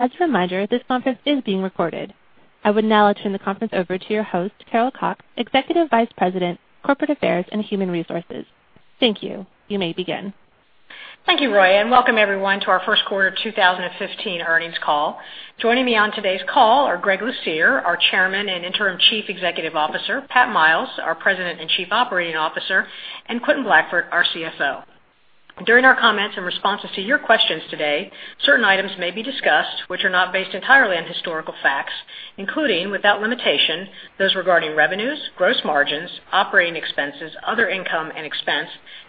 As a reminder, this conference is being recorded. I will now turn the conference over to your host, Carol Cox, Executive Vice President, Corporate Affairs and Human Resources. Thank you. You may begin. Thank you, Roy, and welcome everyone to our first quarter 2015 earnings call. Joining me on today's call are Greg Lucier, our Chairman and Interim Chief Executive Officer, Pat Miles, our President and Chief Operating Officer, and Quentin Blackford, our CFO. During our comments in response to your questions today, certain items may be discussed which are not based entirely on historical facts, including, without limitation, those regarding revenues, gross margins, operating expenses, other income and expense,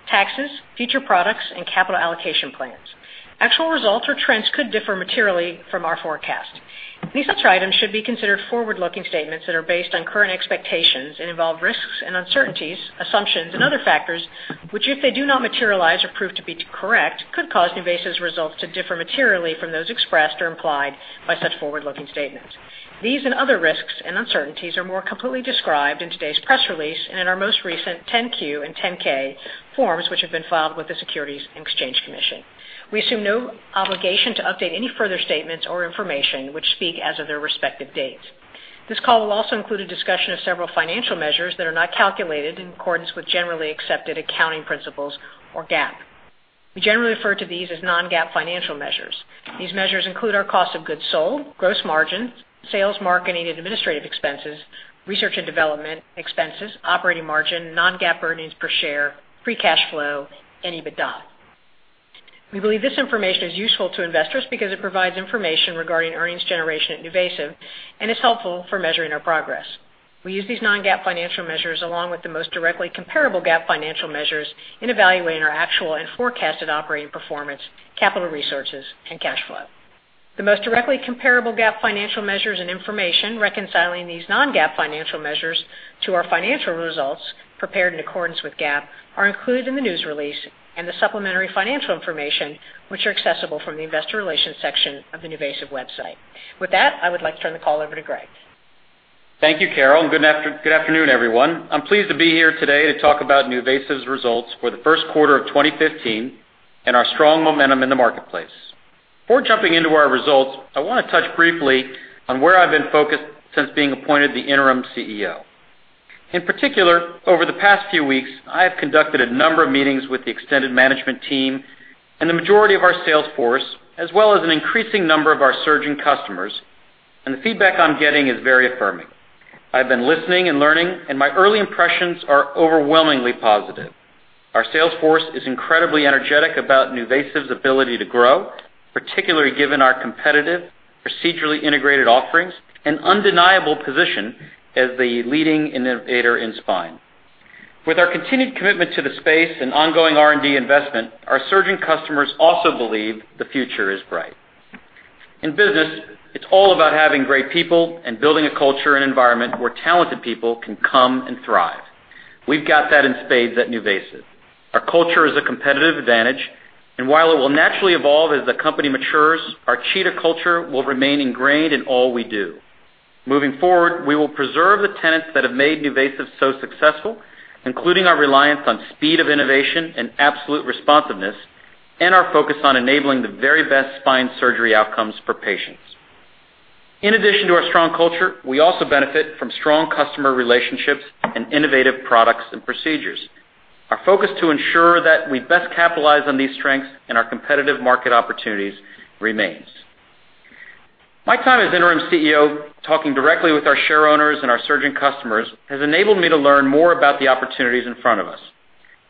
taxes, future products, and capital allocation plans. Actual results or trends could differ materially from our forecast. These such items should be considered forward-looking statements that are based on current expectations and involve risks and uncertainties, assumptions, and other factors which, if they do not materialize or prove to be correct, could cause NuVasive's results to differ materially from those expressed or implied by such forward-looking statements. These and other risks and uncertainties are more completely described in today's press release and in our most recent 10-Q and 10-K forms which have been filed with the Securities and Exchange Commission. We assume no obligation to update any further statements or information which speak as of their respective dates. This call will also include a discussion of several financial measures that are not calculated in accordance with generally accepted accounting principles or GAAP. We generally refer to these as non-GAAP financial measures. These measures include our cost of goods sold, gross margins, sales, margin and administrative expenses, research and development expenses, operating margin, non-GAAP earnings per share, free cash flow, and EBITDA. We believe this information is useful to investors because it provides information regarding earnings generation at NuVasive and is helpful for measuring our progress. We use these non-GAAP financial measures along with the most directly comparable GAAP financial measures in evaluating our actual and forecasted operating performance, capital resources, and cash flow. The most directly comparable GAAP financial measures and information reconciling these non-GAAP financial measures to our financial results prepared in accordance with GAAP are included in the news release and the supplementary financial information which are accessible from the investor relations section of the NuVasive website. With that, I would like to turn the call over to Greg. Thank you, Carol, and good afternoon, everyone. I'm pleased to be here today to talk about NuVasive's results for the first quarter of 2015 and our strong momentum in the marketplace. Before jumping into our results, I want to touch briefly on where I've been focused since being appointed the Interim CEO. In particular, over the past few weeks, I have conducted a number of meetings with the extended management team and the majority of our sales force, as well as an increasing number of our surgeon customers, and the feedback I'm getting is very affirming. I've been listening and learning, and my early impressions are overwhelmingly positive. Our sales force is incredibly energetic about NuVasive's ability to grow, particularly given our competitive, procedurally integrated offerings and undeniable position as the leading innovator in spine. With our continued commitment to the space and ongoing R&D investment, our surgeon customers also believe the future is bright. In business, it's all about having great people and building a culture and environment where talented people can come and thrive. We've got that in spades at NuVasive. Our culture is a competitive advantage, and while it will naturally evolve as the company matures, our cheetah culture will remain ingrained in all we do. Moving forward, we will preserve the tenets that have made NuVasive so successful, including our reliance on speed of innovation and absolute responsiveness, and our focus on enabling the very best spine surgery outcomes for patients. In addition to our strong culture, we also benefit from strong customer relationships and innovative products and procedures. Our focus to ensure that we best capitalize on these strengths and our competitive market opportunities remains. My time as Interim CEO, talking directly with our share owners and our surgeon customers, has enabled me to learn more about the opportunities in front of us.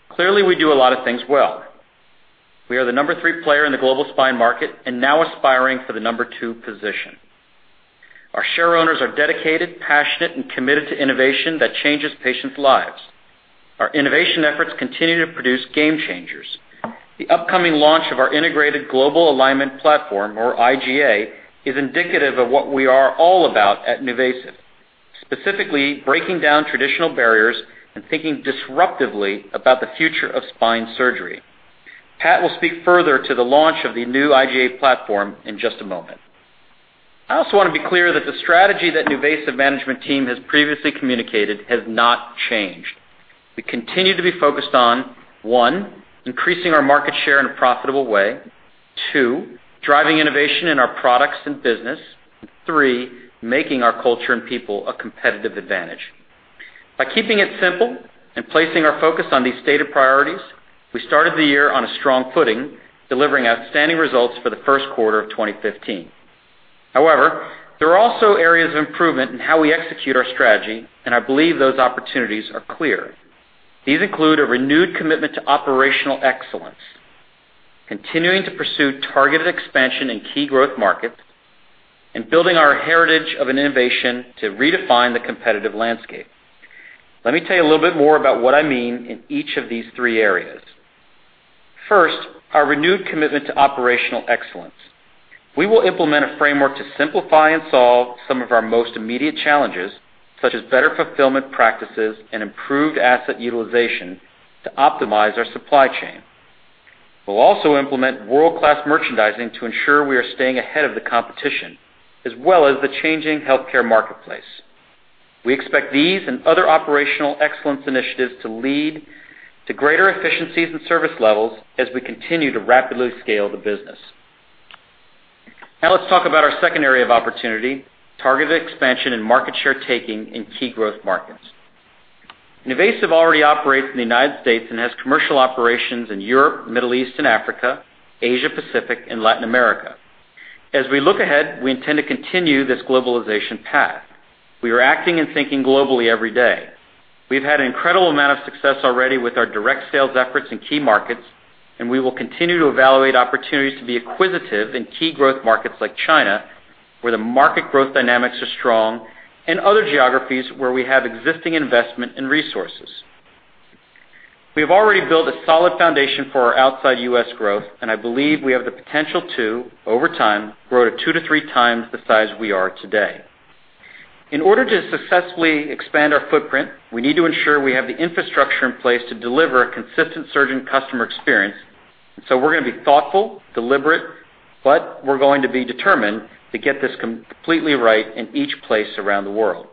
Clearly, we do a lot of things well. We are the number three player in the global spine market and now aspiring for the number two position. Our share owners are dedicated, passionate, and committed to innovation that changes patients' lives. Our innovation efforts continue to produce game changers. The upcoming launch of our integrated global alignment platform, or IGA, is indicative of what we are all about at NuVasive, specifically breaking down traditional barriers and thinking disruptively about the future of spine surgery. Pat will speak further to the launch of the new IGA platform in just a moment. I also want to be clear that the strategy that the NuVasive management team has previously communicated has not changed. We continue to be focused on, one, increasing our market share in a profitable way, two, driving innovation in our products and business, and three, making our culture and people a competitive advantage. By keeping it simple and placing our focus on these stated priorities, we started the year on a strong footing, delivering outstanding results for the first quarter of 2015. However, there are also areas of improvement in how we execute our strategy, and I believe those opportunities are clear. These include a renewed commitment to operational excellence, continuing to pursue targeted expansion in key growth markets, and building our heritage of innovation to redefine the competitive landscape. Let me tell you a little bit more about what I mean in each of these three areas. First, our renewed commitment to operational excellence. We will implement a framework to simplify and solve some of our most immediate challenges, such as better fulfillment practices and improved asset utilization, to optimize our supply chain. We'll also implement world-class merchandising to ensure we are staying ahead of the competition, as well as the changing healthcare marketplace. We expect these and other operational excellence initiatives to lead to greater efficiencies and service levels as we continue to rapidly scale the business. Now, let's talk about our second area of opportunity: targeted expansion and market share taking in key growth markets. NuVasive already operates in the United States and has commercial operations in Europe, the Middle East, and Africa, Asia-Pacific, and Latin America. As we look ahead, we intend to continue this globalization path. We are acting and thinking globally every day. We've had an incredible amount of success already with our direct sales efforts in key markets, and we will continue to evaluate opportunities to be acquisitive in key growth markets like China, where the market growth dynamics are strong, and other geographies where we have existing investment and resources. We have already built a solid foundation for our outside U.S. growth, and I believe we have the potential to, over time, grow to 2x-3x the size we are today. In order to successfully expand our footprint, we need to ensure we have the infrastructure in place to deliver a consistent surging customer experience, and we're going to be thoughtful, deliberate, but we're going to be determined to get this completely right in each place around the world.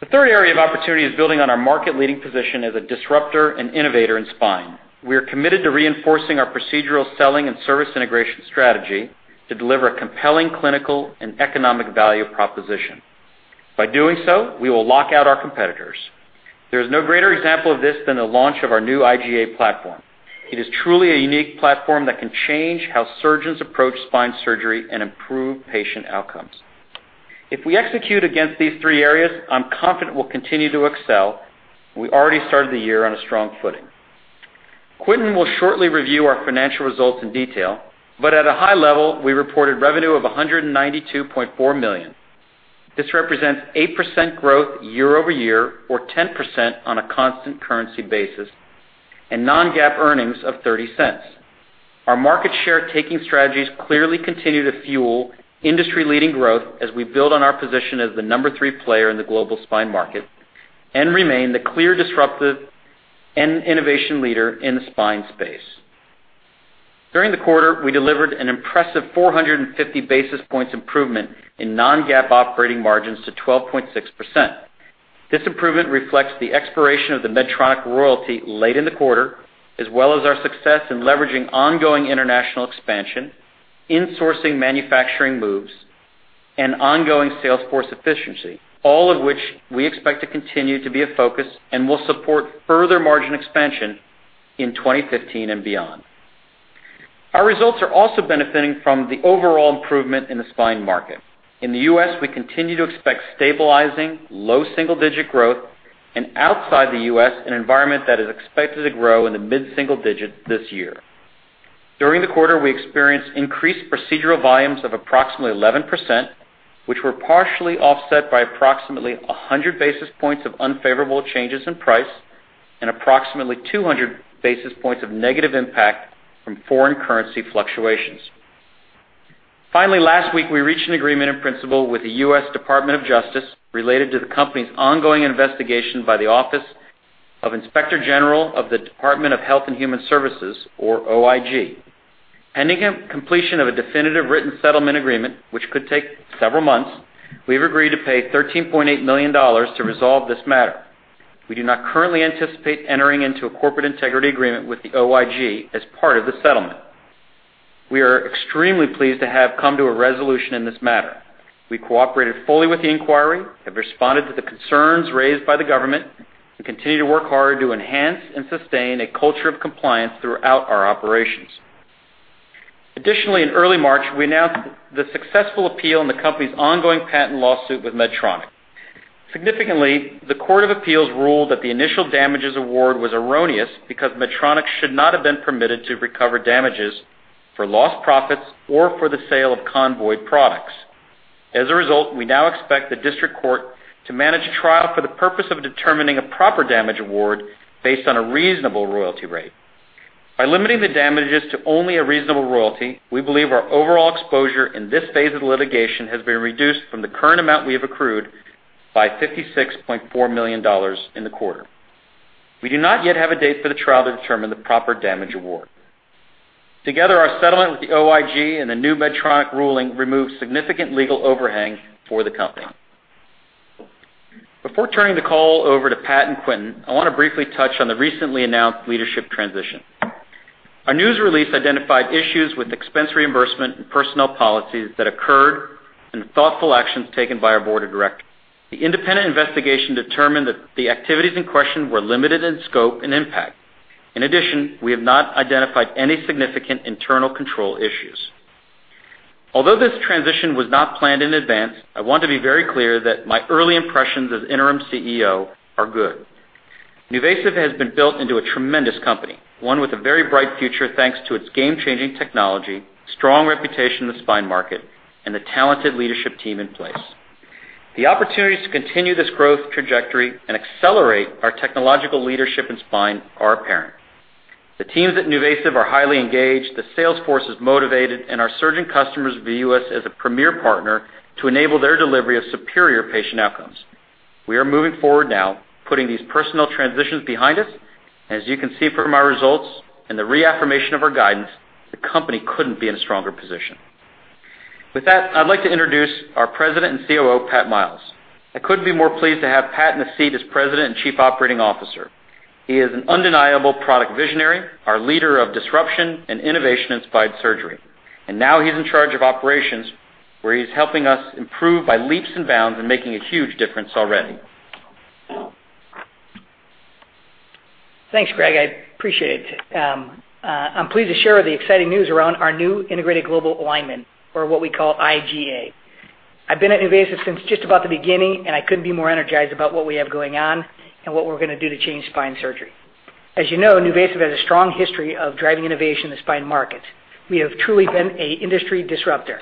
The third area of opportunity is building on our market-leading position as a disruptor and innovator in spine. We are committed to reinforcing our procedural selling and service integration strategy to deliver a compelling clinical and economic value proposition. By doing so, we will lock out our competitors. There is no greater example of this than the launch of our new IGA platform. It is truly a unique platform that can change how surgeons approach spine surgery and improve patient outcomes. If we execute against these three areas, I'm confident we'll continue to excel, and we already started the year on a strong footing. Quentin will shortly review our financial results in detail, but at a high level, we reported revenue of $192.4 million. This represents 8% growth year-over-year, or 10% on a constant currency basis, and non-GAAP earnings of $0.30. Our market share taking strategies clearly continue to fuel industry-leading growth as we build on our position as the number three player in the global spine market and remain the clear disruptive and innovation leader in the spine space. During the quarter, we delivered an impressive 450 basis points improvement in non-GAAP operating margins to 12.6%. This improvement reflects the expiration of the Medtronic royalty late in the quarter, as well as our success in leveraging ongoing international expansion, insourcing manufacturing moves, and ongoing sales force efficiency, all of which we expect to continue to be a focus and will support further margin expansion in 2015 and beyond. Our results are also benefiting from the overall improvement in the spine market. In the U.S., we continue to expect stabilizing, low single-digit growth, and outside the U.S., an environment that is expected to grow in the mid-single digits this year. During the quarter, we experienced increased procedural volumes of approximately 11%, which were partially offset by approximately 100 basis points of unfavorable changes in price and approximately 200 basis points of negative impact from foreign currency fluctuations. Finally, last week, we reached an agreement in principle with the U.S. Department of Justice related to the company's ongoing investigation by the Office of Inspector General of the Department of Health and Human Services, or OIG. Pending completion of a definitive written settlement agreement, which could take several months, we've agreed to pay $13.8 million to resolve this matter. We do not currently anticipate entering into a corporate integrity agreement with the OIG as part of the settlement. We are extremely pleased to have come to a resolution in this matter. We cooperated fully with the inquiry, have responded to the concerns raised by the government, and continue to work hard to enhance and sustain a culture of compliance throughout our operations. Additionally, in early March, we announced the successful appeal in the company's ongoing patent lawsuit with Medtronic. Significantly, the Court of Appeals ruled that the initial damages award was erroneous because Medtronic should not have been permitted to recover damages for lost profits or for the sale of convoid products. As a result, we now expect the district court to manage a trial for the purpose of determining a proper damage award based on a reasonable royalty rate. By limiting the damages to only a reasonable royalty, we believe our overall exposure in this phase of the litigation has been reduced from the current amount we have accrued by $56.4 million in the quarter. We do not yet have a date for the trial to determine the proper damage award. Together, our settlement with the OIG and the new Medtronic ruling remove significant legal overhang for the company. Before turning the call over to Pat and Quentin, I want to briefly touch on the recently announced leadership transition. Our news release identified issues with expense reimbursement and personnel policies that occurred and thoughtful actions taken by our board of directors. The independent investigation determined that the activities in question were limited in scope and impact. In addition, we have not identified any significant internal control issues. Although this transition was not planned in advance, I want to be very clear that my early impressions as Interim CEO are good. NuVasive has been built into a tremendous company, one with a very bright future thanks to its game-changing technology, strong reputation in the spine market, and the talented leadership team in place. The opportunities to continue this growth trajectory and accelerate our technological leadership in spine are apparent. The teams at NuVasive are highly engaged, the sales force is motivated, and our surging customers view us as a premier partner to enable their delivery of superior patient outcomes. We are moving forward now, putting these personnel transitions behind us, and as you can see from our results and the reaffirmation of our guidance, the company couldn't be in a stronger position. With that, I'd like to introduce our President and COO, Pat Miles. I couldn't be more pleased to have Pat in the seat as President and Chief Operating Officer. He is an undeniable product visionary, our leader of disruption and innovation-inspired surgery, and now he's in charge of operations, where he's helping us improve by leaps and bounds and making a huge difference already. Thanks, Greg. I appreciate it. I'm pleased to share the exciting news around our new integrated global alignment, or what we call IGA. I've been at NuVasive since just about the beginning, and I couldn't be more energized about what we have going on and what we're going to do to change spine surgery. As you know, NuVasive has a strong history of driving innovation in the spine market. We have truly been an industry disruptor.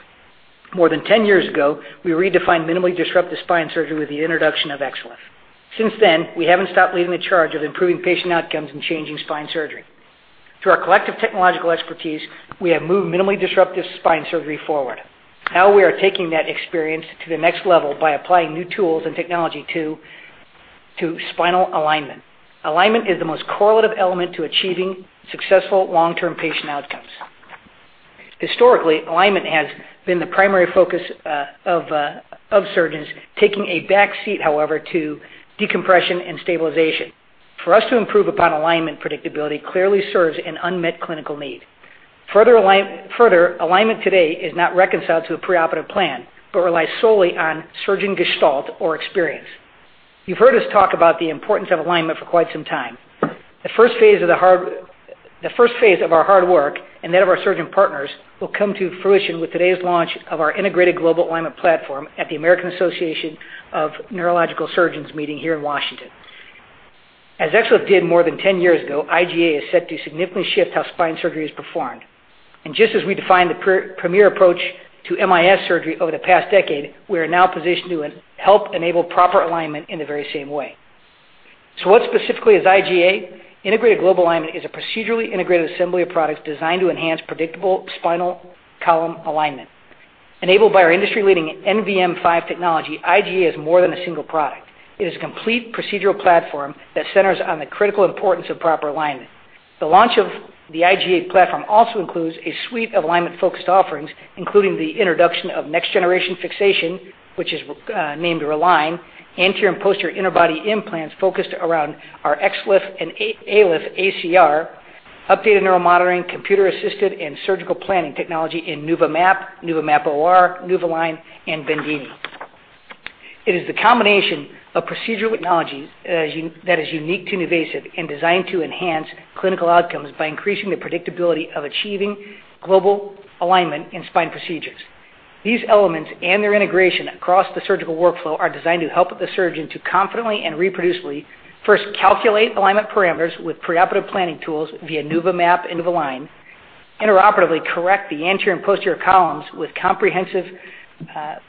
More than 10 years ago, we redefined minimally disruptive spine surgery with the introduction of XLIF. Since then, we haven't stopped leading the charge of improving patient outcomes and changing spine surgery. Through our collective technological expertise, we have moved minimally disruptive spine surgery forward. Now we are taking that experience to the next level by applying new tools and technology to spinal alignment. Alignment is the most correlative element to achieving successful long-term patient outcomes. Historically, alignment has been the primary focus of surgeons, taking a back seat, however, to decompression and stabilization. For us to improve upon alignment, predictability clearly serves an unmet clinical need. Further, alignment today is not reconciled to a preoperative plan but relies solely on surgeon gestalt or experience. You've heard us talk about the importance of alignment for quite some time. The first phase of our hard work and that of our surgeon partners will come to fruition with today's launch of our Integrated Global Alignment platform at the American Association of Neurological Surgeons meeting here in Washington. As XLIF did more than 10 years ago, IGA is set to significantly shift how spine surgery is performed. Just as we defined the premier approach to MIS surgery over the past decade, we are now positioned to help enable proper alignment in the very same way. What specifically is IGA? Integrated global alignment is a procedurally integrated assembly of products designed to enhance predictable spinal column alignment. Enabled by our industry-leading NVM5 technology, IGA is more than a single product. It is a complete procedural platform that centers on the critical importance of proper alignment. The launch of the IGA platform also includes a suite of alignment-focused offerings, including the introduction of next-generation fixation, which is named RELINE, anterior and posterior interbody implants focused around our XLIF and ALIF ACR, updated neuromonitoring, computer-assisted, and surgical planning technology in NuVaMAP, NuVaMAP OR, NuVaLINE, and Bendini. It is the combination of procedural technologies that is unique to NuVasive and designed to enhance clinical outcomes by increasing the predictability of achieving global alignment in spine procedures. These elements and their integration across the surgical workflow are designed to help the surgeon to confidently and reproducibly first calculate alignment parameters with preoperative planning tools via NuVaMAP and NuVaLINE, interoperatively correct the anterior and posterior columns with comprehensive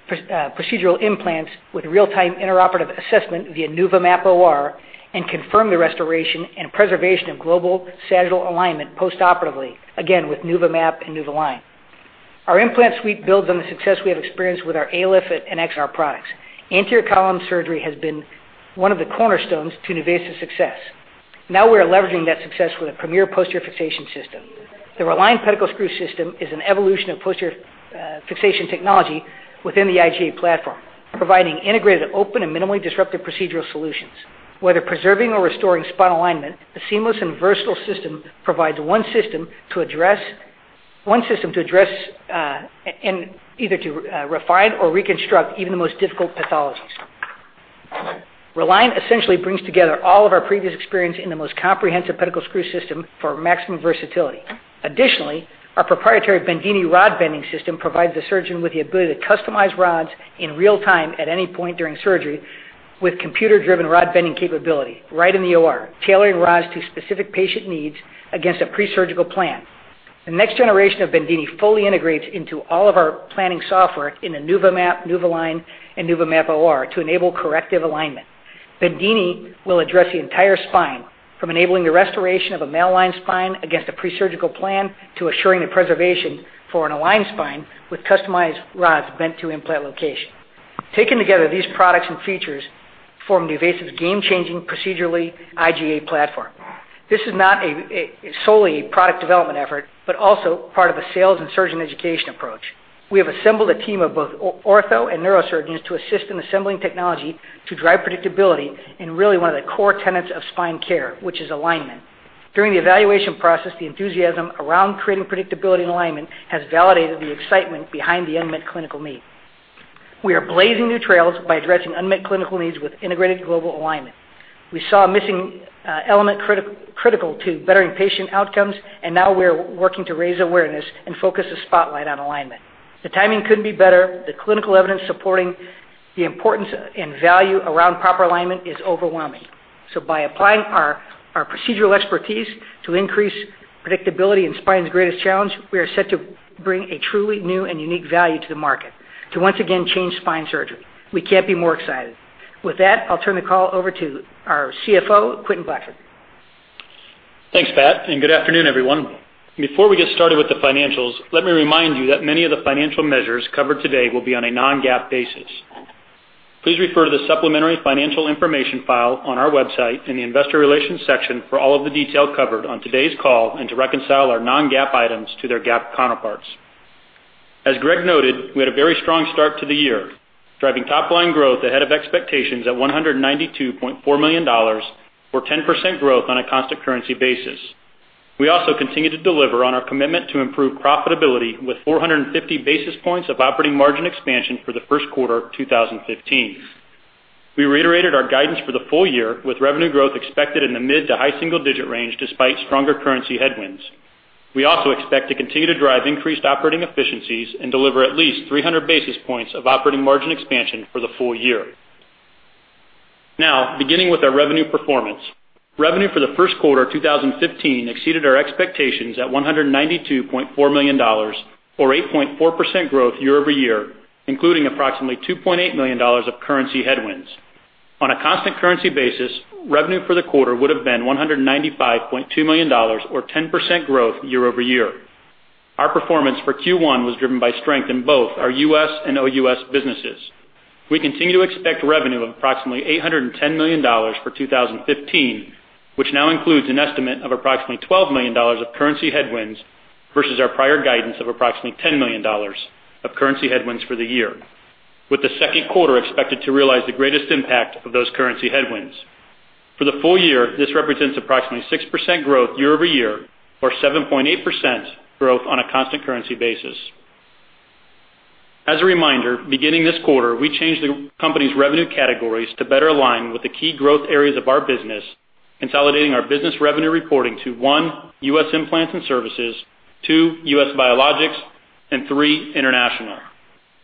procedural implants with real-time interoperative assessment via NuVaMAP OR, and confirm the restoration and preservation of global sagittal alignment postoperatively, again with NuVaMAP and NuVaLINE. Our implant suite builds on the success we have experienced with our ALIF and XLIF products. Anterior column surgery has been one of the cornerstones to NuVasive's success. Now we are leveraging that success with a premier posterior fixation system. The RELINE pedicle screw system is an evolution of posterior fixation technology within the IGA platform, providing integrated, open, and minimally disruptive procedural solutions. Whether preserving or restoring spinal alignment, the seamless and versatile system provides one system to address and either to refine or reconstruct even the most difficult pathologies. RELINE essentially brings together all of our previous experience in the most comprehensive pedicle screw system for maximum versatility. Additionally, our proprietary Bendini rod bending system provides the surgeon with the ability to customize rods in real time at any point during surgery with computer-driven rod bending capability right in the OR, tailoring rods to specific patient needs against a pre-surgical plan. The next generation of Bendini fully integrates into all of our planning software in the NuVaMAP, NuVaLINE, and NuVaMAP OR to enable corrective alignment. Bendini will address the entire spine, from enabling the restoration of a mal-aligned spine against a pre-surgical plan to assuring the preservation for an aligned spine with customized rods bent to implant location. Taken together, these products and features form NuVasive's game-changing procedurally integrated global alignment platform. This is not solely a product development effort, but also part of a sales and surgeon education approach. We have assembled a team of both ortho and neurosurgeons to assist in assembling technology to drive predictability and really one of the core tenets of spine care, which is alignment. During the evaluation process, the enthusiasm around creating predictability and alignment has validated the excitement behind the unmet clinical need. We are blazing new trails by addressing unmet clinical needs with integrated global alignment. We saw a missing element critical to bettering patient outcomes, and now we are working to raise awareness and focus the spotlight on alignment. The timing could not be better. The clinical evidence supporting the importance and value around proper alignment is overwhelming. By applying our procedural expertise to increase predictability in spine's greatest challenge, we are set to bring a truly new and unique value to the market, to once again change spine surgery. We cannot be more excited. With that, I'll turn the call over to our CFO, Quentin Blackford. Thanks, Pat, and good afternoon, everyone. Before we get started with the financials, let me remind you that many of the financial measures covered today will be on a non-GAAP basis. Please refer to the supplementary financial information file on our website in the investor relations section for all of the detail covered on today's call and to reconcile our non-GAAP items to their GAAP counterparts. As Greg noted, we had a very strong start to the year, driving top-line growth ahead of expectations at $192.4 million, or 10% growth on a constant currency basis. We also continue to deliver on our commitment to improve profitability with 450 basis points of operating margin expansion for the first quarter of 2015. We reiterated our guidance for the full year with revenue growth expected in the mid to high single-digit range despite stronger currency headwinds. We also expect to continue to drive increased operating efficiencies and deliver at least 300 basis points of operating margin expansion for the full year. Now, beginning with our revenue performance, revenue for the first quarter of 2015 exceeded our expectations at $192.4 million, or 8.4% growth year-over-year, including approximately $2.8 million of currency headwinds. On a constant currency basis, revenue for the quarter would have been $195.2 million, or 10% growth year-over-year. Our performance for Q1 was driven by strength in both our U.S. and OUS businesses. We continue to expect revenue of approximately $810 million for 2015, which now includes an estimate of approximately $12 million of currency headwinds versus our prior guidance of approximately $10 million of currency headwinds for the year, with the second quarter expected to realize the greatest impact of those currency headwinds. For the full year, this represents approximately 6% growth year-over-year, or 7.8% growth on a constant currency basis. As a reminder, beginning this quarter, we changed the company's revenue categories to better align with the key growth areas of our business, consolidating our business revenue reporting to one, U.S. implants and services; two, U.S. biologics; and three, international.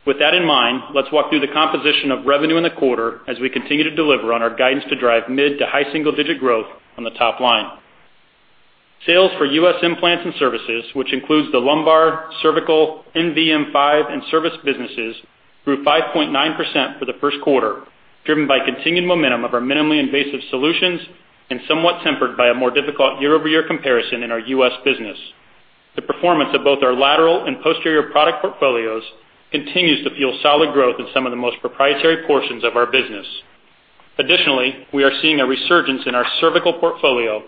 With that in mind, let's walk through the composition of revenue in the quarter as we continue to deliver on our guidance to drive mid to high single-digit growth on the top line. Sales for U.S. implants and services, which includes the lumbar, cervical, NVM5, and service businesses, grew 5.9% for the first quarter, driven by continued momentum of our minimally invasive solutions and somewhat tempered by a more difficult year-over-year comparison in our U.S. business. The performance of both our lateral and posterior product portfolios continues to fuel solid growth in some of the most proprietary portions of our business. Additionally, we are seeing a resurgence in our cervical portfolio,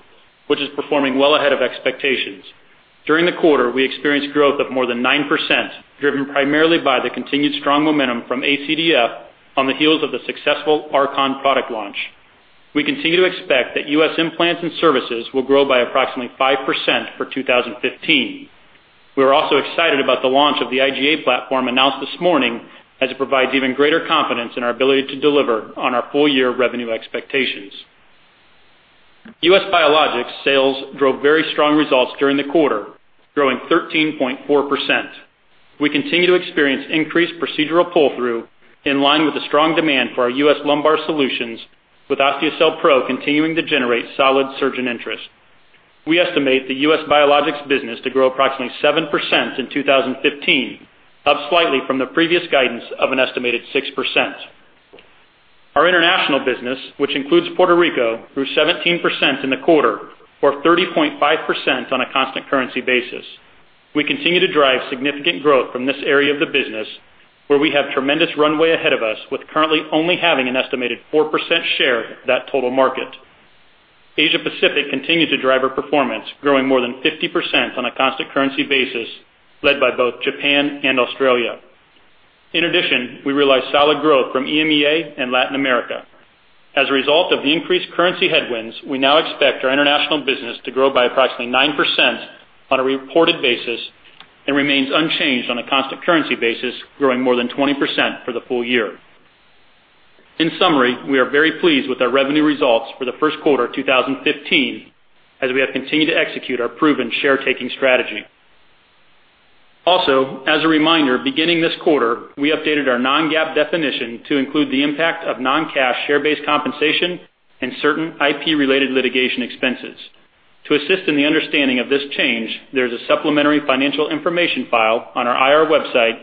which is performing well ahead of expectations. During the quarter, we experienced growth of more than 9%, driven primarily by the continued strong momentum from ACDF on the heels of the successful RCON product launch. We continue to expect that US implants and services will grow by approximately 5% for 2015. We are also excited about the launch of the IGA platform announced this morning as it provides even greater confidence in our ability to deliver on our full-year revenue expectations. US biologics sales drove very strong results during the quarter, growing 13.4%. We continue to experience increased procedural pull-through in line with the strong demand for our U.S. lumbar solutions, with Osteocel Pro continuing to generate solid surgeon interest. We estimate the U.S. biologics business to grow approximately 7% in 2015, up slightly from the previous guidance of an estimated 6%. Our international business, which includes Puerto Rico, grew 17% in the quarter, or 30.5% on a constant currency basis. We continue to drive significant growth from this area of the business, where we have tremendous runway ahead of us, with currently only having an estimated 4% share of that total market. Asia-Pacific continues to drive our performance, growing more than 50% on a constant currency basis, led by both Japan and Australia. In addition, we realize solid growth from Europe, Middle East, and Africa and Latin America. As a result of the increased currency headwinds, we now expect our international business to grow by approximately 9% on a reported basis and remains unchanged on a constant currency basis, growing more than 20% for the full year. In summary, we are very pleased with our revenue results for the first quarter of 2015 as we have continued to execute our proven share-taking strategy. Also, as a reminder, beginning this quarter, we updated our non-GAAP definition to include the impact of non-cash share-based compensation and certain IP-related litigation expenses. To assist in the understanding of this change, there is a supplementary financial information file on our IR website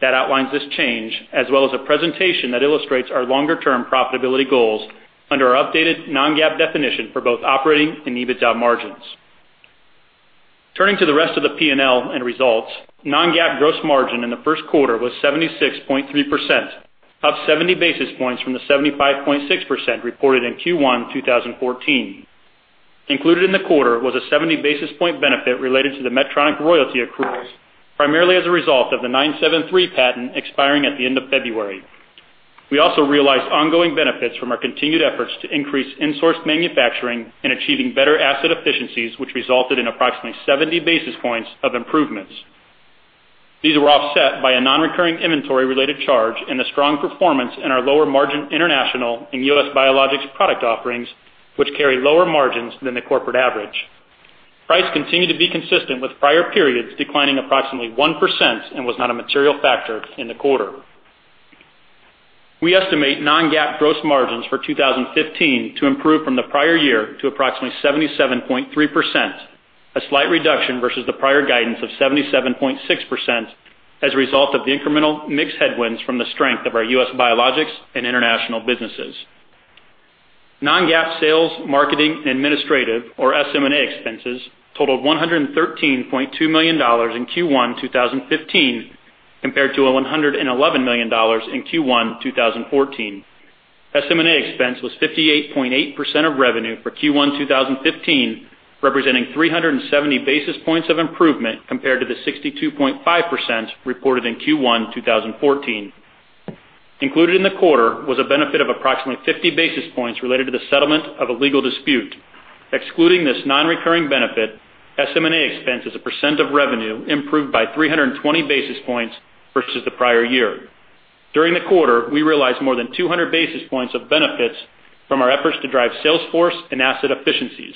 that outlines this change, as well as a presentation that illustrates our longer-term profitability goals under our updated non-GAAP definition for both operating and EBITDA margins. Turning to the rest of the P&L and results, non-GAAP gross margin in the first quarter was 76.3%, up 70 basis points from the 75.6% reported in Q1 2014. Included in the quarter was a 70 basis point benefit related to the Medtronic royalty accruals, primarily as a result of the 973 patent expiring at the end of February. We also realized ongoing benefits from our continued efforts to increase in-source manufacturing and achieving better asset efficiencies, which resulted in approximately 70 basis points of improvements. These were offset by a non-recurring inventory-related charge and the strong performance in our lower-margin international and US biologics product offerings, which carry lower margins than the corporate average. Price continued to be consistent with prior periods, declining approximately 1% and was not a material factor in the quarter. We estimate non-GAAP gross margins for 2015 to improve from the prior year to approximately 77.3%, a slight reduction versus the prior guidance of 77.6% as a result of the incremental mixed headwinds from the strength of our US biologics and international businesses. Non-GAAP sales, marketing, and administrative, or SM&A expenses totaled $113.2 million in Q1 2015 compared to $111 million in Q1 2014. SM&A expense was 58.8% of revenue for Q1 2015, representing 370 basis points of improvement compared to the 62.5% reported in Q1 2014. Included in the quarter was a benefit of approximately 50 basis points related to the settlement of a legal dispute. Excluding this non-recurring benefit, SM&A expense as a percent of revenue improved by 320 basis points versus the prior year. During the quarter, we realized more than 200 basis points of benefits from our efforts to drive sales force and asset efficiencies.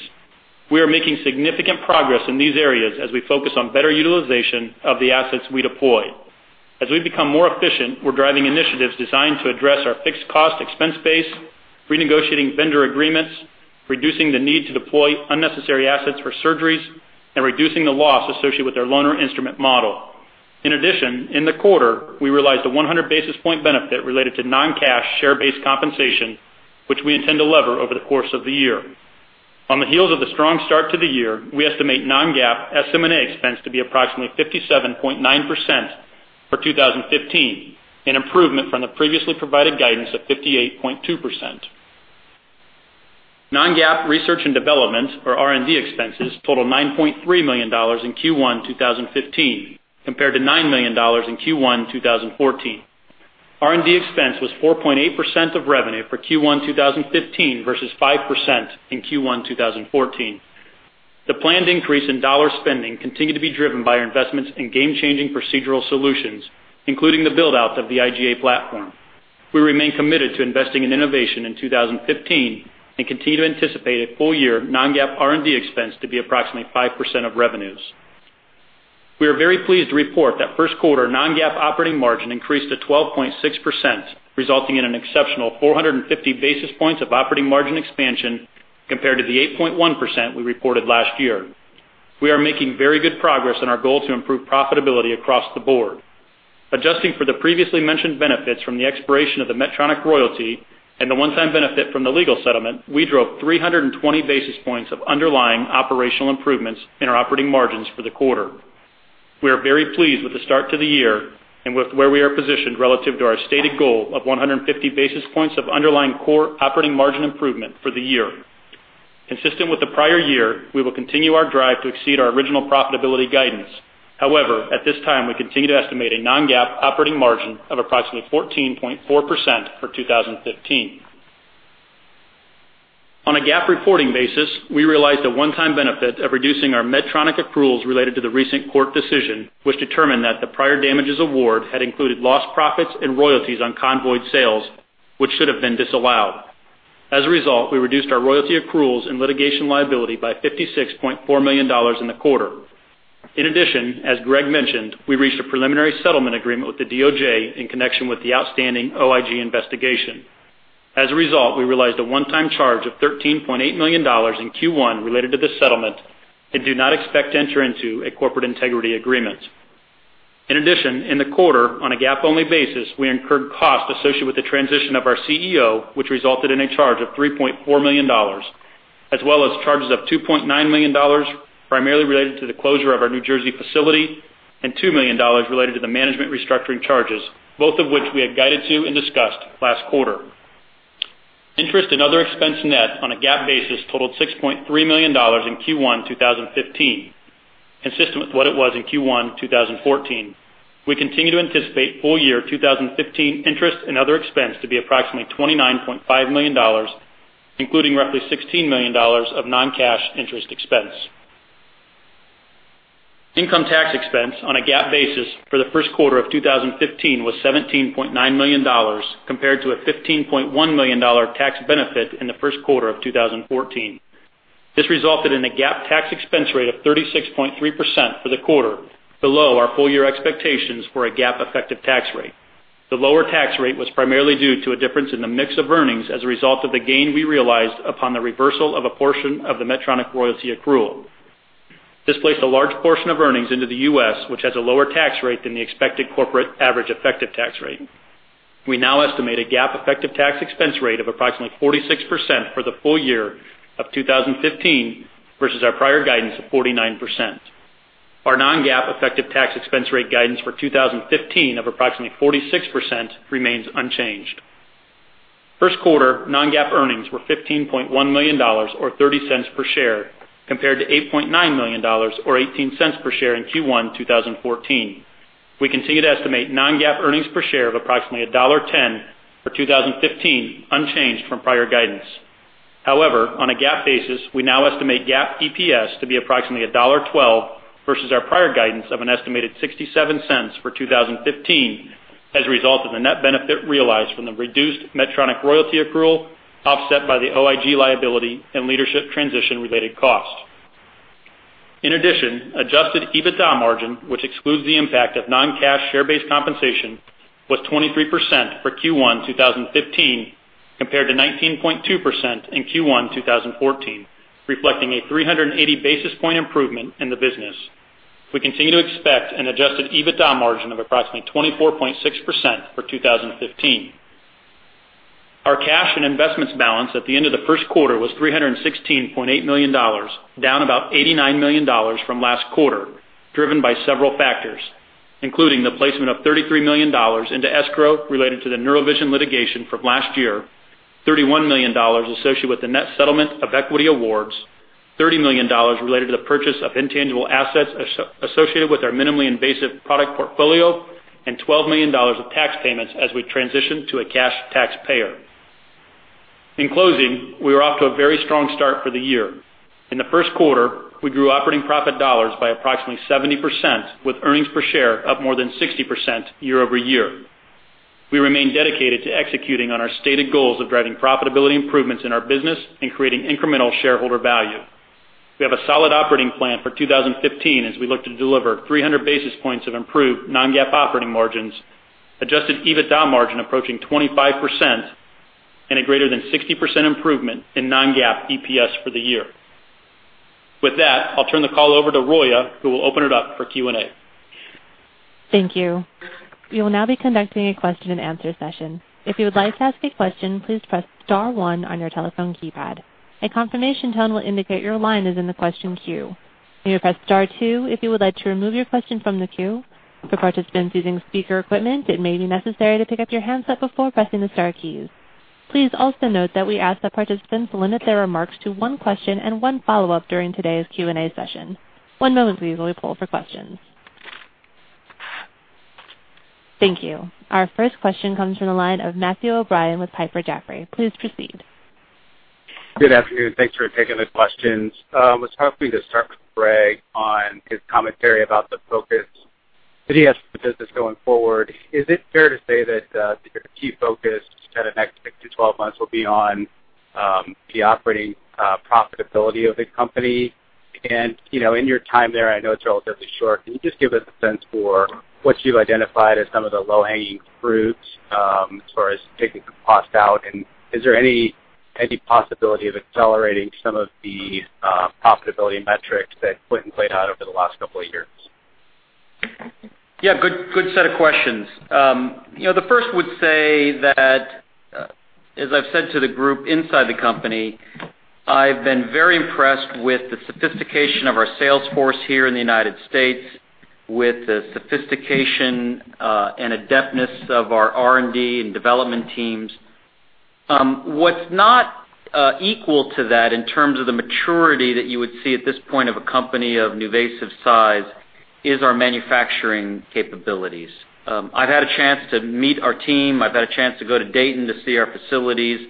We are making significant progress in these areas as we focus on better utilization of the assets we deploy. As we become more efficient, we're driving initiatives designed to address our fixed cost expense base, renegotiating vendor agreements, reducing the need to deploy unnecessary assets for surgeries, and reducing the loss associated with our loaner instrument model. In addition, in the quarter, we realized a 100 basis point benefit related to non-cash share-based compensation, which we intend to lever over the course of the year. On the heels of the strong start to the year, we estimate non-GAAP SM&A expense to be approximately 57.9% for 2015, an improvement from the previously provided guidance of 58.2%. Non-GAAP research and development, or R&D expenses, totaled $9.3 million in Q1 2015 compared to $9 million in Q1 2014. R&D expense was 4.8% of revenue for Q1 2015 versus 5% in Q1 2014. The planned increase in dollar spending continued to be driven by our investments in game-changing procedural solutions, including the build-out of the IGA platform. We remain committed to investing in innovation in 2015 and continue to anticipate a full-year non-GAAP R&D expense to be approximately 5% of revenues. We are very pleased to report that first quarter non-GAAP operating margin increased to 12.6%, resulting in an exceptional 450 basis points of operating margin expansion compared to the 8.1% we reported last year. We are making very good progress on our goal to improve profitability across the board. Adjusting for the previously mentioned benefits from the expiration of the Medtronic royalty and the one-time benefit from the legal settlement, we drove 320 basis points of underlying operational improvements in our operating margins for the quarter. We are very pleased with the start to the year and with where we are positioned relative to our stated goal of 150 basis points of underlying core operating margin improvement for the year. Consistent with the prior year, we will continue our drive to exceed our original profitability guidance. However, at this time, we continue to estimate a non-GAAP operating margin of approximately 14.4% for 2015. On a GAAP reporting basis, we realized a one-time benefit of reducing our Medtronic accruals related to the recent court decision, which determined that the prior damages award had included lost profits and royalties on convoys sales, which should have been disallowed. As a result, we reduced our royalty accruals and litigation liability by $56.4 million in the quarter. In addition, as Greg mentioned, we reached a preliminary settlement agreement with the Department of Justice in connection with the outstanding OIG investigation. As a result, we realized a one-time charge of $13.8 million in Q1 related to this settlement and do not expect to enter into a corporate integrity agreement. In addition, in the quarter, on a GAAP-only basis, we incurred costs associated with the transition of our CEO, which resulted in a charge of $3.4 million, as well as charges of $2.9 million primarily related to the closure of our New Jersey facility and $2 million related to the management restructuring charges, both of which we had guided to and discussed last quarter. Interest and other expense net on a GAAP basis totaled $6.3 million in Q1 2015, consistent with what it was in Q1 2014. We continue to anticipate full-year 2015 interest and other expense to be approximately $29.5 million, including roughly $16 million of non-cash interest expense. Income tax expense on a GAAP basis for the first quarter of 2015 was $17.9 million compared to a $15.1 million tax benefit in the first quarter of 2014. This resulted in a GAAP tax expense rate of 36.3% for the quarter, below our full-year expectations for a GAAP effective tax rate. The lower tax rate was primarily due to a difference in the mix of earnings as a result of the gain we realized upon the reversal of a portion of the Medtronic royalty accrual. This placed a large portion of earnings into the U.S., which has a lower tax rate than the expected corporate average effective tax rate. We now estimate a GAAP effective tax expense rate of approximately 46% for the full year of 2015 versus our prior guidance of 49%. Our non-GAAP effective tax expense rate guidance for 2015 of approximately 46% remains unchanged. First quarter non-GAAP earnings were $15.1 million, or $0.30 per share, compared to $8.9 million, or $0.18 per share in Q1 2014. We continue to estimate non-GAAP earnings per share of approximately $1.10 for 2015, unchanged from prior guidance. However, on a GAAP basis, we now estimate GAAP EPS to be approximately $1.12 versus our prior guidance of an estimated $0.67 for 2015 as a result of the net benefit realized from the reduced Medtronic royalty accrual offset by the OIG liability and leadership transition-related cost. In addition, adjusted EBITDA margin, which excludes the impact of non-cash share-based compensation, was 23% for Q1 2015 compared to 19.2% in Q1 2014, reflecting a 380 basis point improvement in the business. We continue to expect an adjusted EBITDA margin of approximately 24.6% for 2015. Our cash and investments balance at the end of the first quarter was $316.8 million, down about $89 million from last quarter, driven by several factors, including the placement of $33 million into escrow related to the NeuroVision litigation from last year, $31 million associated with the net settlement of equity awards, $30 million related to the purchase of intangible assets associated with our minimally invasive product portfolio, and $12 million of tax payments as we transitioned to a cash taxpayer. In closing, we are off to a very strong start for the year. In the first quarter, we grew operating profit dollars by approximately 70%, with earnings per share up more than 60% year-over-year. We remain dedicated to executing on our stated goals of driving profitability improvements in our business and creating incremental shareholder value. We have a solid operating plan for 2015 as we look to deliver 300 basis points of improved non-GAAP operating margins, adjusted EBITDA margin approaching 25%, and a greater than 60% improvement in non-GAAP EPS for the year. With that, I'll turn the call over to Roya, who will open it up for Q&A. Thank you. You will now be conducting a question-and-answer session. If you would like to ask a question, please press star one on your telephone keypad. A confirmation tone will indicate your line is in the question queue. You may press star two if you would like to remove your question from the queue. For participants using speaker equipment, it may be necessary to pick up your handset before pressing the star keys. Please also note that we ask that participants limit their remarks to one question and one follow-up during today's Q&A session. One moment, please, while we pull for questions. Thank you. Our first question comes from the line of Matthew O'Brien with Piper Jaffray. Please proceed. Good afternoon. Thanks for taking the questions. I was hoping to start with Greg on his commentary about the focus that he has for the business going forward. Is it fair to say that your key focus for the next 6-12 months will be on the operating profitability of the company? In your time there, I know it's relatively short. Can you just give us a sense for what you've identified as some of the low-hanging fruits as far as taking some cost out? Is there any possibility of accelerating some of the profitability metrics that Quentin played out over the last couple of years? Yeah, good set of questions. The first would say that, as I've said to the group inside the company, I've been very impressed with the sophistication of our sales force here in the United States, with the sophistication and adeptness of our R&D and development teams. What's not equal to that in terms of the maturity that you would see at this point of a company of NuVasive size is our manufacturing capabilities. I've had a chance to meet our team. I've had a chance to go to Dayton to see our facilities.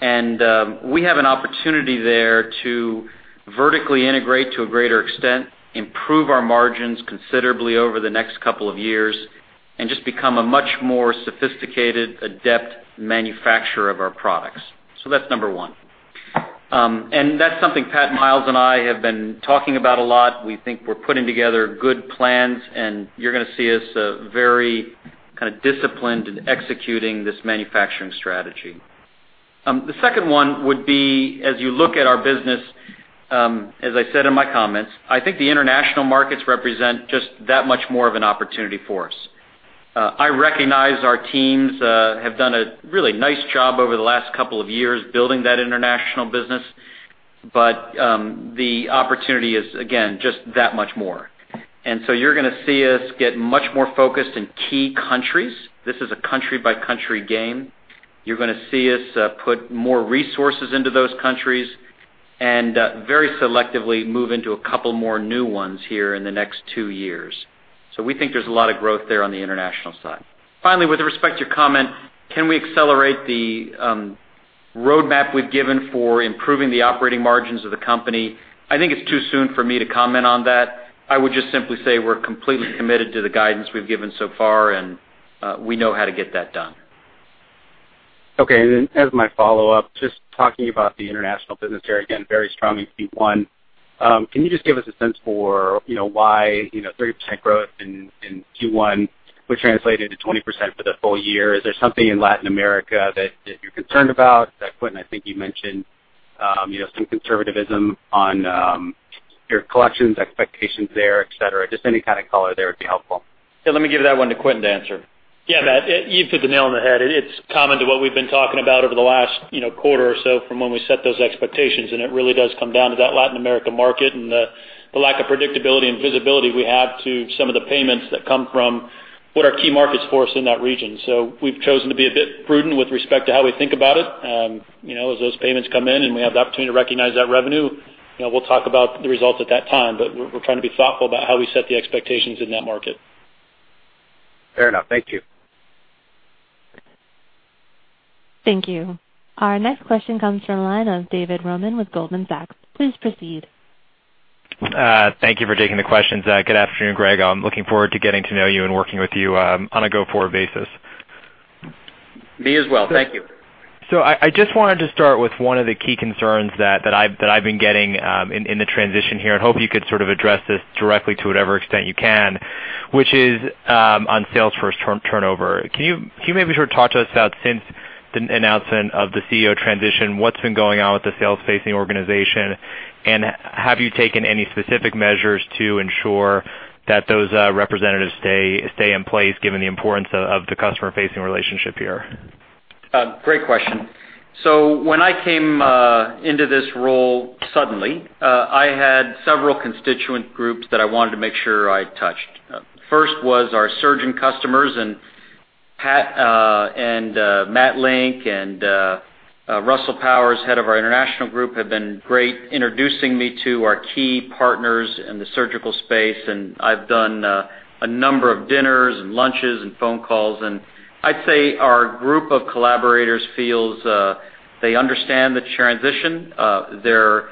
We have an opportunity there to vertically integrate to a greater extent, improve our margins considerably over the next couple of years, and just become a much more sophisticated, adept manufacturer of our products. That is number one. That is something Pat Miles and I have been talking about a lot. We think we're putting together good plans, and you're going to see us very kind of disciplined in executing this manufacturing strategy. The second one would be, as you look at our business, as I said in my comments, I think the international markets represent just that much more of an opportunity for us. I recognize our teams have done a really nice job over the last couple of years building that international business, but the opportunity is, again, just that much more. You are going to see us get much more focused in key countries. This is a country-by-country game. You are going to see us put more resources into those countries and very selectively move into a couple more new ones here in the next two years. We think there's a lot of growth there on the international side. Finally, with respect to your comment, can we accelerate the roadmap we've given for improving the operating margins of the company? I think it's too soon for me to comment on that. I would just simply say we're completely committed to the guidance we've given so far, and we know how to get that done. Okay. And then as my follow-up, just talking about the international business there again, very strong in Q1. Can you just give us a sense for why 30% growth in Q1 would translate into 20% for the full year? Is there something in Latin America that you're concerned about? Quentin, I think you mentioned some conservatism on your collections expectations there, etc. Just any kind of color there would be helpful. Yeah, let me give that one to Quentin to answer. Yeah, Matt, you've hit the nail on the head. It's common to what we've been talking about over the last quarter or so from when we set those expectations. It really does come down to that Latin America market and the lack of predictability and visibility we have to some of the payments that come from what are key markets for us in that region. We've chosen to be a bit prudent with respect to how we think about it. As those payments come in and we have the opportunity to recognize that revenue, we'll talk about the results at that time. We're trying to be thoughtful about how we set the expectations in that market. Fair enough. Thank you. Thank you. Our next question comes from the line of David Roman with Goldman Sachs. Please proceed. Thank you for taking the questions. Good afternoon, Greg. I'm looking forward to getting to know you and working with you on a go-forward basis. Me as well. Thank you. I just wanted to start with one of the key concerns that I've been getting in the transition here. I'd hope you could sort of address this directly to whatever extent you can, which is on sales force turnover. Can you maybe sort of talk to us about, since the announcement of the CEO transition, what's been going on with the sales-facing organization? Have you taken any specific measures to ensure that those representatives stay in place given the importance of the customer-facing relationship here? Great question. When I came into this role suddenly, I had several constituent groups that I wanted to make sure I touched. First was our surgeon customers. Pat and Matt Link and Russell Powers, head of our international group, have been great introducing me to our key partners in the surgical space. I have done a number of dinners and lunches and phone calls. I would say our group of collaborators feels they understand the transition. They are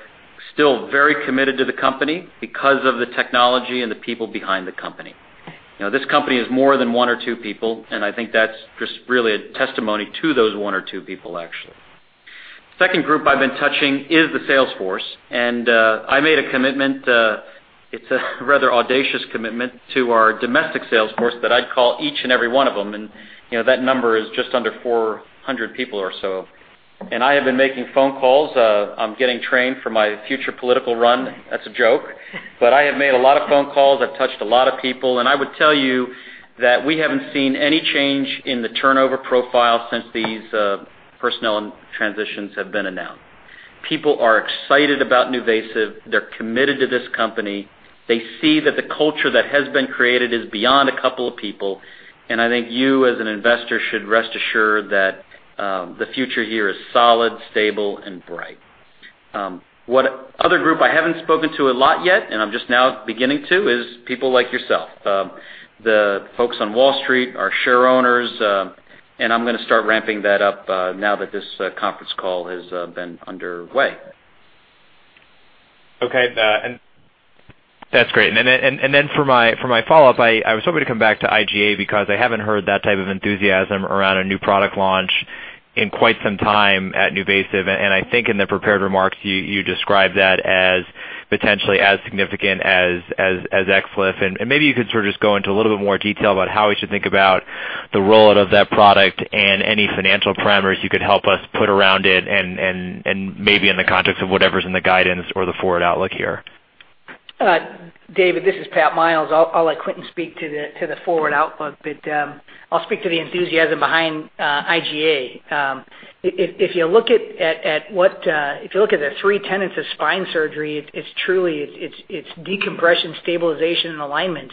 still very committed to the company because of the technology and the people behind the company. This company is more than one or two people, and I think that is just really a testimony to those one or two people, actually. The second group I have been touching is the sales force. I made a commitment—it is a rather audacious commitment—to our domestic sales force that I would call each and every one of them. That number is just under 400 people or so. I have been making phone calls. I am getting trained for my future political run. That is a joke. I have made a lot of phone calls. I have touched a lot of people. I would tell you that we have not seen any change in the turnover profile since these personnel transitions have been announced. People are excited about NuVasive. They are committed to this company. They see that the culture that has been created is beyond a couple of people. I think you, as an investor, should rest assured that the future here is solid, stable, and bright. What other group I haven't spoken to a lot yet, and I'm just now beginning to, is people like yourself, the folks on Wall Street, our share owners. I'm going to start ramping that up now that this conference call has been underway. Okay. That's great. For my follow-up, I was hoping to come back to IGA because I haven't heard that type of enthusiasm around a new product launch in quite some time at NuVasive. I think in the prepared remarks, you described that as potentially as significant as ECFLIF. Maybe you could sort of just go into a little bit more detail about how we should think about the rollout of that product and any financial parameters you could help us put around it, and maybe in the context of whatever's in the guidance or the forward outlook here. David, this is Pat Miles. I'll let Quentin speak to the forward outlook, but I'll speak to the enthusiasm behind IGA. If you look at the three tenets of spine surgery, it's truly decompression, stabilization, and alignment.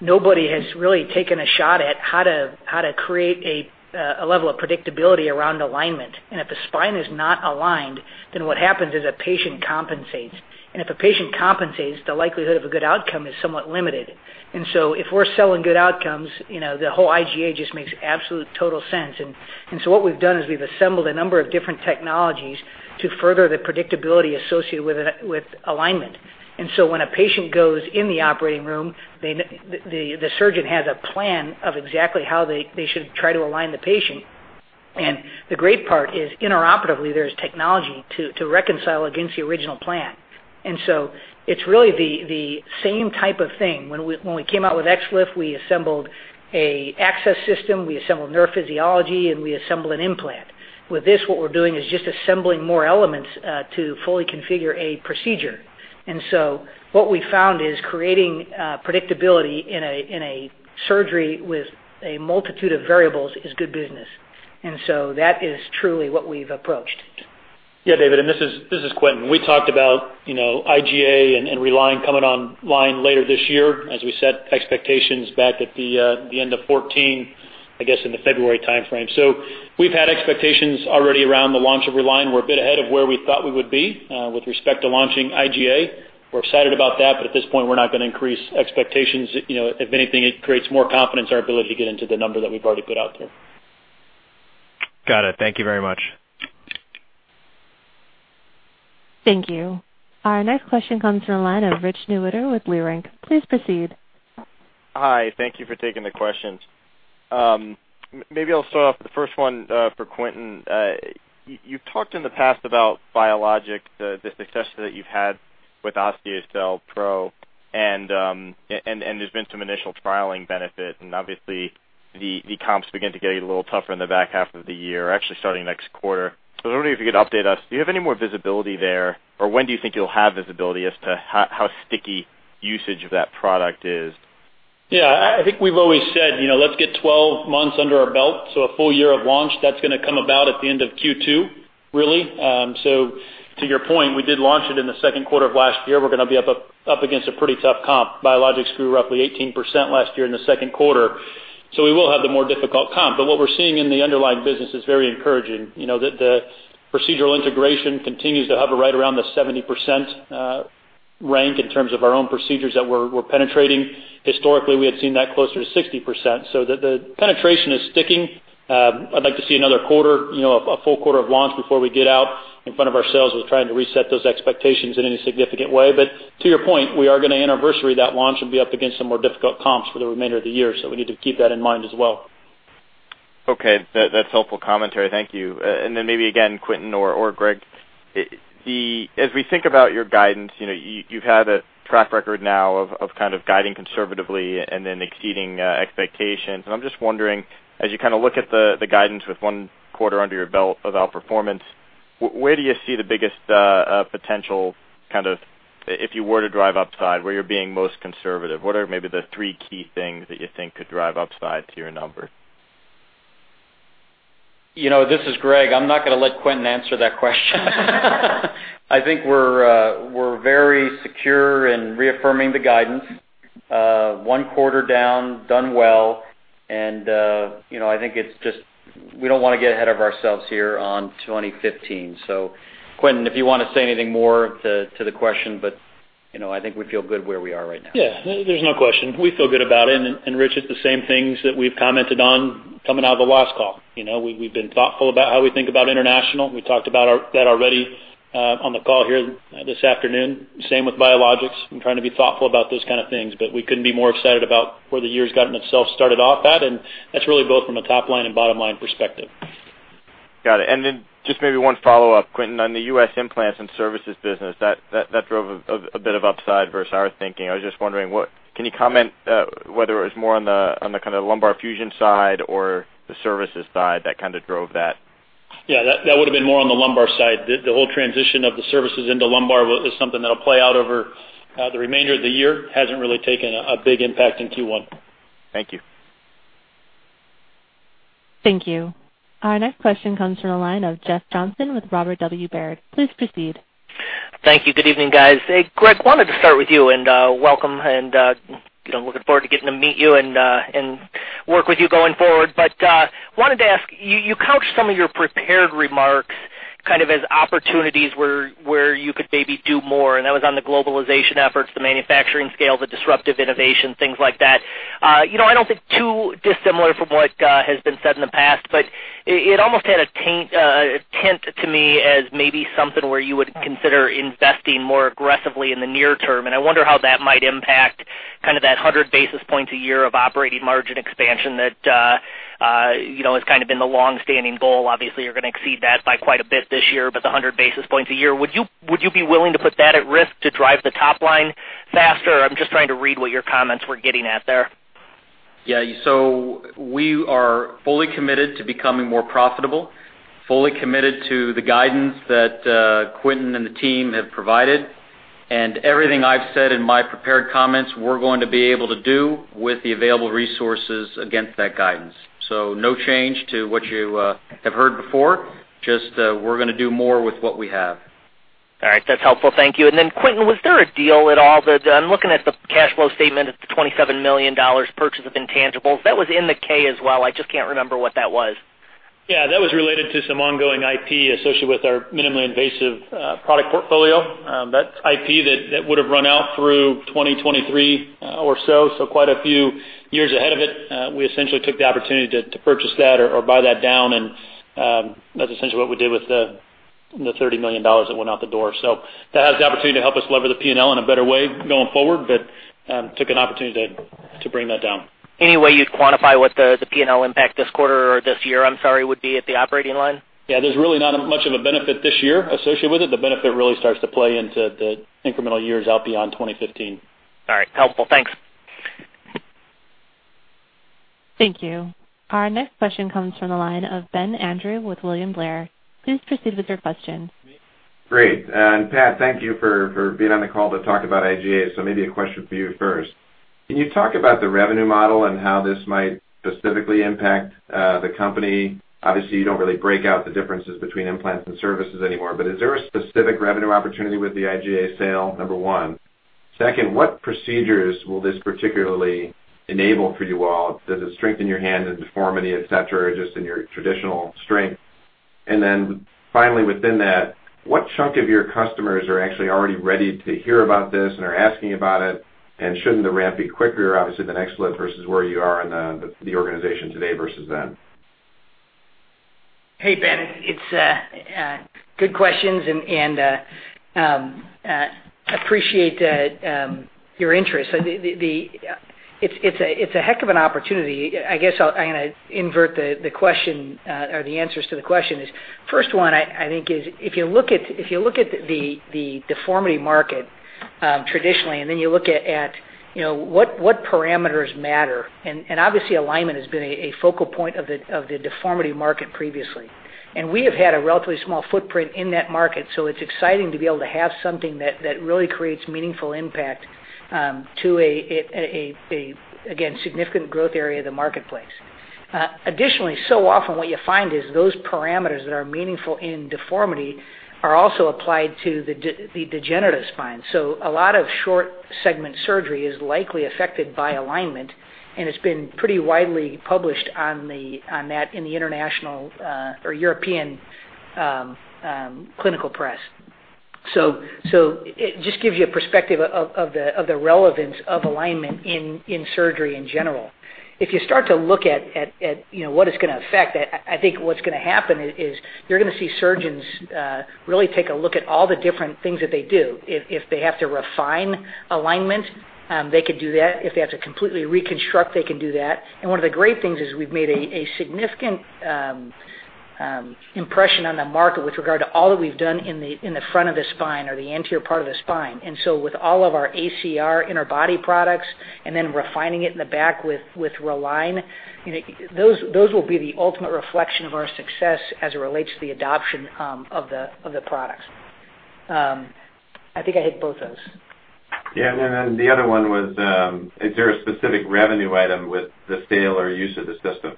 Nobody has really taken a shot at how to create a level of predictability around alignment. If the spine is not aligned, then what happens is a patient compensates. If a patient compensates, the likelihood of a good outcome is somewhat limited. If we're selling good outcomes, the whole IGA just makes absolute total sense. What we've done is we've assembled a number of different technologies to further the predictability associated with alignment. When a patient goes in the operating room, the surgeon has a plan of exactly how they should try to align the patient. The great part is, interoperatively, there is technology to reconcile against the original plan. It is really the same type of thing. When we came out with ECFLIF, we assembled an access system, we assembled neurophysiology, and we assembled an implant. With this, what we are doing is just assembling more elements to fully configure a procedure. What we found is creating predictability in a surgery with a multitude of variables is good business. That is truly what we have approached. Yeah, David. This is Quentin. We talked about IGA and RELINE coming online later this year, as we set expectations back at the end of 2014, I guess, in the February timeframe. We have had expectations already around the launch of RELINE. We are a bit ahead of where we thought we would be with respect to launching IGA. We are excited about that. At this point, we are not going to increase expectations. If anything, it creates more confidence in our ability to get into the number that we have already put out there. Got it. Thank you very much. Thank you. Our next question comes from the line of Rich Newitter with Leerink. Please proceed. Hi. Thank you for taking the questions. Maybe I'll start off with the first one for Quentin. You've talked in the past about Biologics, the success that you've had with Osteocel Pro. There has been some initial trialing benefit. Obviously, the comps begin to get a little tougher in the back half of the year, actually starting next quarter. I was wondering if you could update us. Do you have any more visibility there? Or when do you think you'll have visibility as to how sticky usage of that product is? Yeah. I think we've always said, "Let's get 12 months under our belt." A full year of launch, that's going to come about at the end of Q2, really. To your point, we did launch it in the second quarter of last year. We're going to be up against a pretty tough comp. Biologics grew roughly 18% last year in the second quarter. We will have the more difficult comp. What we're seeing in the underlying business is very encouraging. The procedural integration continues to hover right around the 70% range in terms of our own procedures that we're penetrating. Historically, we had seen that closer to 60%. The penetration is sticking. I'd like to see another quarter, a full quarter of launch before we get out in front of our sales with trying to reset those expectations in any significant way. To your point, we are going to anniversary that launch and be up against some more difficult comps for the remainder of the year. We need to keep that in mind as well. Okay. That's helpful commentary. Thank you. Maybe again, Quentin or Greg, as we think about your guidance, you've had a track record now of kind of guiding conservatively and then exceeding expectations. I'm just wondering, as you kind of look at the guidance with one quarter under your belt of outperformance, where do you see the biggest potential kind of, if you were to drive upside, where you're being most conservative? What are maybe the three key things that you think could drive upside to your number? This is Greg. I'm not going to let Quentin answer that question. I think we're very secure in reaffirming the guidance. One quarter down, done well. I think we just don't want to get ahead of ourselves here on 2015. Quentin, if you want to say anything more to the question, but I think we feel good where we are right now. Yeah. There's no question. We feel good about it. Rich, it's the same things that we've commented on coming out of the last call. We've been thoughtful about how we think about international. We talked about that already on the call here this afternoon. Same with Biologics. We're trying to be thoughtful about those kind of things. We couldn't be more excited about where the year's gotten itself started off at. That's really both from a top-line and bottom-line perspective. Got it. And then just maybe one follow-up, Quentin, on the U.S. implants and services business. That drove a bit of upside versus our thinking. I was just wondering, can you comment whether it was more on the kind of lumbar fusion side or the services side that kind of drove that? Yeah. That would have been more on the lumbar side. The whole transition of the services into lumbar is something that'll play out over the remainder of the year. Hasn't really taken a big impact in Q1. Thank you. Thank you. Our next question comes from the line of Jeff Johnson with Robert W. Baird. Please proceed. Thank you. Good evening, guys. Greg, wanted to start with you and welcome. Looking forward to getting to meet you and work with you going forward. Wanted to ask, you couched some of your prepared remarks kind of as opportunities where you could maybe do more. That was on the globalization efforts, the manufacturing scale, the disruptive innovation, things like that. I do not think too dissimilar from what has been said in the past, but it almost had a tint to me as maybe something where you would consider investing more aggressively in the near term. I wonder how that might impact kind of that 100 basis points a year of operating margin expansion that has kind of been the long-standing goal. Obviously, you are going to exceed that by quite a bit this year, but the 100 basis points a year. Would you be willing to put that at risk to drive the top line faster? I'm just trying to read what your comments were getting at there. Yeah. We are fully committed to becoming more profitable, fully committed to the guidance that Quentin and the team have provided. Everything I have said in my prepared comments, we are going to be able to do with the available resources against that guidance. No change to what you have heard before. We are going to do more with what we have. All right. That's helpful. Thank you. And then Quentin, was there a deal at all? I'm looking at the cash flow statement, the $27 million purchase of intangibles. That was in the K as well. I just can't remember what that was. Yeah. That was related to some ongoing IP associated with our minimally invasive product portfolio. That's IP that would have run out through 2023 or so. Quite a few years ahead of it, we essentially took the opportunity to purchase that or buy that down. That's essentially what we did with the $30 million that went out the door. That has the opportunity to help us lever the P&L in a better way going forward, but took an opportunity to bring that down. Any way you'd quantify what the P&L impact this quarter or this year, I'm sorry, would be at the operating line? Yeah. There's really not much of a benefit this year associated with it. The benefit really starts to play into the incremental years out beyond 2015. All right. Helpful. Thanks. Thank you. Our next question comes from the line of Ben Andrew with William Blair. Please proceed with your question. Great. Pat, thank you for being on the call to talk about IGA. Maybe a question for you first. Can you talk about the revenue model and how this might specifically impact the company? Obviously, you do not really break out the differences between implants and services anymore. Is there a specific revenue opportunity with the IGA sale, number one? Second, what procedures will this particularly enable for you all? Does it strengthen your hand in deformity, etc., or just in your traditional strength? Finally, within that, what chunk of your customers are actually already ready to hear about this and are asking about it? Shouldn't the ramp be quicker, obviously, the next slit versus where you are in the organization today versus then? Hey, Ben. It's good questions. Appreciate your interest. It's a heck of an opportunity. I guess I'm going to invert the question or the answers to the questions. First one, I think, is if you look at the deformity market traditionally, and then you look at what parameters matter. Obviously, alignment has been a focal point of the deformity market previously. We have had a relatively small footprint in that market. It's exciting to be able to have something that really creates meaningful impact to a, again, significant growth area of the marketplace. Additionally, so often what you find is those parameters that are meaningful in deformity are also applied to the degenerative spine. A lot of short-segment surgery is likely affected by alignment. It's been pretty widely published on that in the international or European clinical press. It just gives you a perspective of the relevance of alignment in surgery in general. If you start to look at what it's going to affect, I think what's going to happen is you're going to see surgeons really take a look at all the different things that they do. If they have to refine alignment, they could do that. If they have to completely reconstruct, they can do that. One of the great things is we've made a significant impression on the market with regard to all that we've done in the front of the spine or the anterior part of the spine. With all of our ACR interbody products and then refining it in the back with RELINE, those will be the ultimate reflection of our success as it relates to the adoption of the products. I think I hit both those. Yeah. And then the other one was, is there a specific revenue item with the sale or use of the system?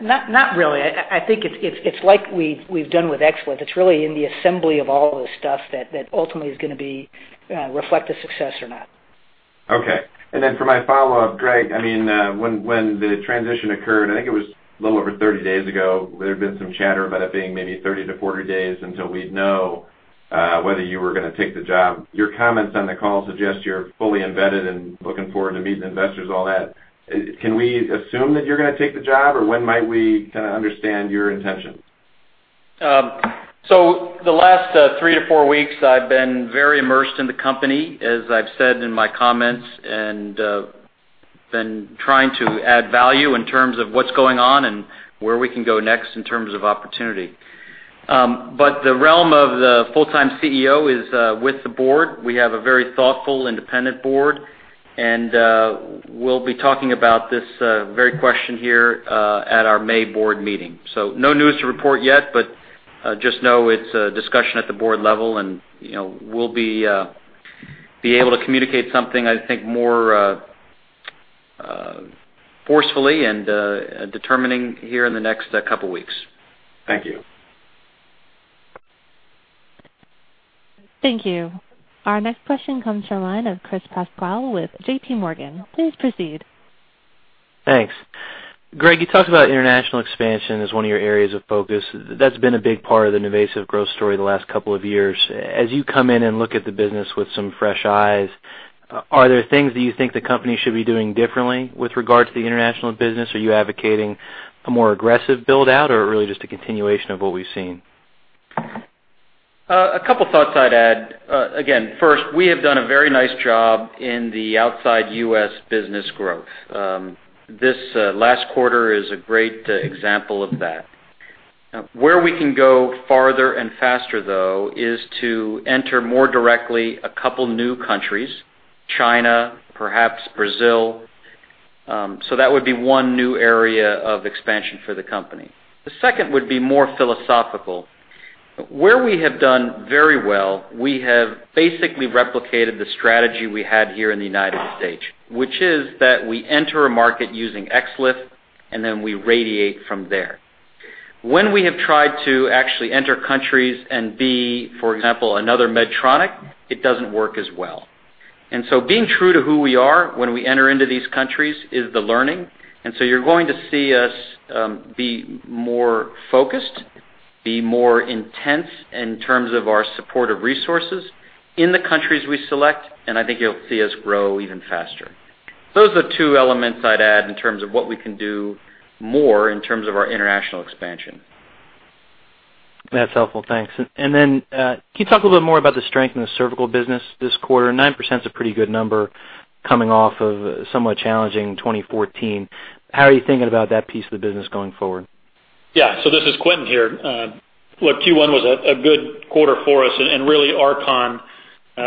Not really. I think it's like we've done with ECFLIF. It's really in the assembly of all this stuff that ultimately is going to reflect the success or not. Okay. And then for my follow-up, Greg, I mean, when the transition occurred, I think it was a little over 30 days ago, there had been some chatter about it being maybe 30-40 days until we'd know whether you were going to take the job. Your comments on the call suggest you're fully embedded and looking forward to meeting investors, all that. Can we assume that you're going to take the job? Or when might we kind of understand your intention? The last three to four weeks, I've been very immersed in the company, as I've said in my comments, and been trying to add value in terms of what's going on and where we can go next in terms of opportunity. The realm of the full-time CEO is with the board. We have a very thoughtful, independent board. We'll be talking about this very question here at our May board meeting. No news to report yet, but just know it's a discussion at the board level. We'll be able to communicate something, I think, more forcefully and determining here in the next couple of weeks. Thank you. Thank you. Our next question comes from the line of Chris Pasquale with JPMorgan. Please proceed. Thanks. Greg, you talked about international expansion as one of your areas of focus. That's been a big part of the NuVasive growth story the last couple of years. As you come in and look at the business with some fresh eyes, are there things that you think the company should be doing differently with regard to the international business? Are you advocating a more aggressive build-out or really just a continuation of what we've seen? A couple of thoughts I'd add. Again, first, we have done a very nice job in the outside U.S. business growth. This last quarter is a great example of that. Where we can go farther and faster, though, is to enter more directly a couple of new countries: China, perhaps Brazil. That would be one new area of expansion for the company. The second would be more philosophical. Where we have done very well, we have basically replicated the strategy we had here in the United States, which is that we enter a market using XLIF, and then we radiate from there. When we have tried to actually enter countries and be, for example, another Medtronic, it does not work as well. Being true to who we are when we enter into these countries is the learning. You're going to see us be more focused, be more intense in terms of our support of resources in the countries we select. I think you'll see us grow even faster. Those are the two elements I'd add in terms of what we can do more in terms of our international expansion. That's helpful. Thanks. Can you talk a little bit more about the strength in the cervical business this quarter? 9% is a pretty good number coming off of somewhat challenging 2014. How are you thinking about that piece of the business going forward? Yeah. This is Quentin here. Look, Q1 was a good quarter for us. And really, RCON,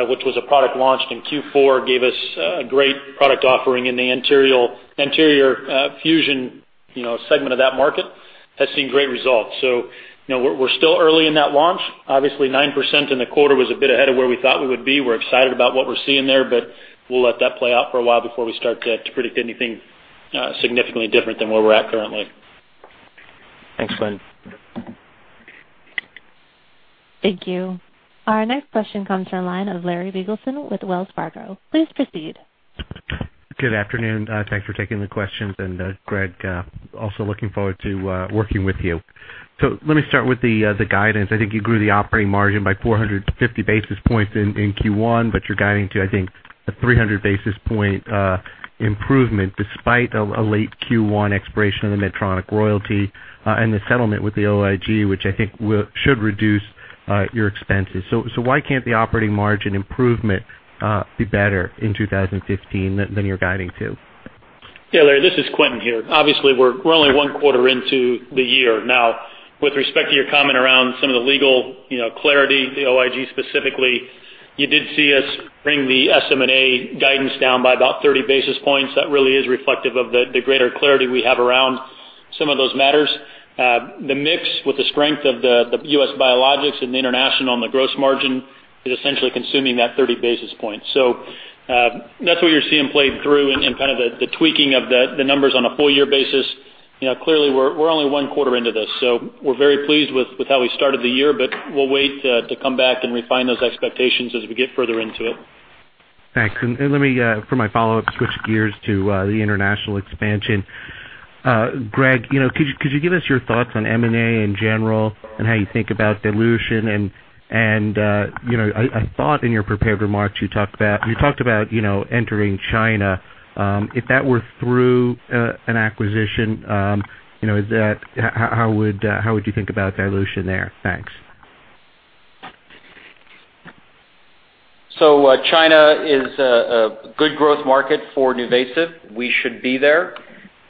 which was a product launched in Q4, gave us a great product offering in the anterior fusion segment of that market, has seen great results. So we're still early in that launch. Obviously, 9% in the quarter was a bit ahead of where we thought we would be. We're excited about what we're seeing there. But we'll let that play out for a while before we start to predict anything significantly different than where we're at currently. Thanks, Quinton. Thank you. Our next question comes from the line of Larry Biegelsen with Wells Fargo. Please proceed. Good afternoon. Thanks for taking the questions. Greg, also looking forward to working with you. Let me start with the guidance. I think you grew the operating margin by 450 basis points in Q1, but you're guiding to, I think, a 300 basis point improvement despite a late Q1 expiration of the Medtronic royalty and the settlement with the OIG, which I think should reduce your expenses. Why can't the operating margin improvement be better in 2015 than you're guiding to? Yeah, Larry, this is Quentin here. Obviously, we're only one quarter into the year. Now, with respect to your comment around some of the legal clarity, the OIG specifically, you did see us bring the SM&A guidance down by about 30 basis points. That really is reflective of the greater clarity we have around some of those matters. The mix with the strength of the U.S. biologics and the international on the gross margin is essentially consuming that 30 basis points. That is what you're seeing played through in kind of the tweaking of the numbers on a full-year basis. Clearly, we're only one quarter into this. We are very pleased with how we started the year, but we'll wait to come back and refine those expectations as we get further into it. Thanks. Let me, for my follow-up, switch gears to the international expansion. Greg, could you give us your thoughts on M&A in general and how you think about dilution? I thought in your prepared remarks you talked about entering China. If that were through an acquisition, how would you think about dilution there? Thanks. China is a good growth market for NuVasive. We should be there.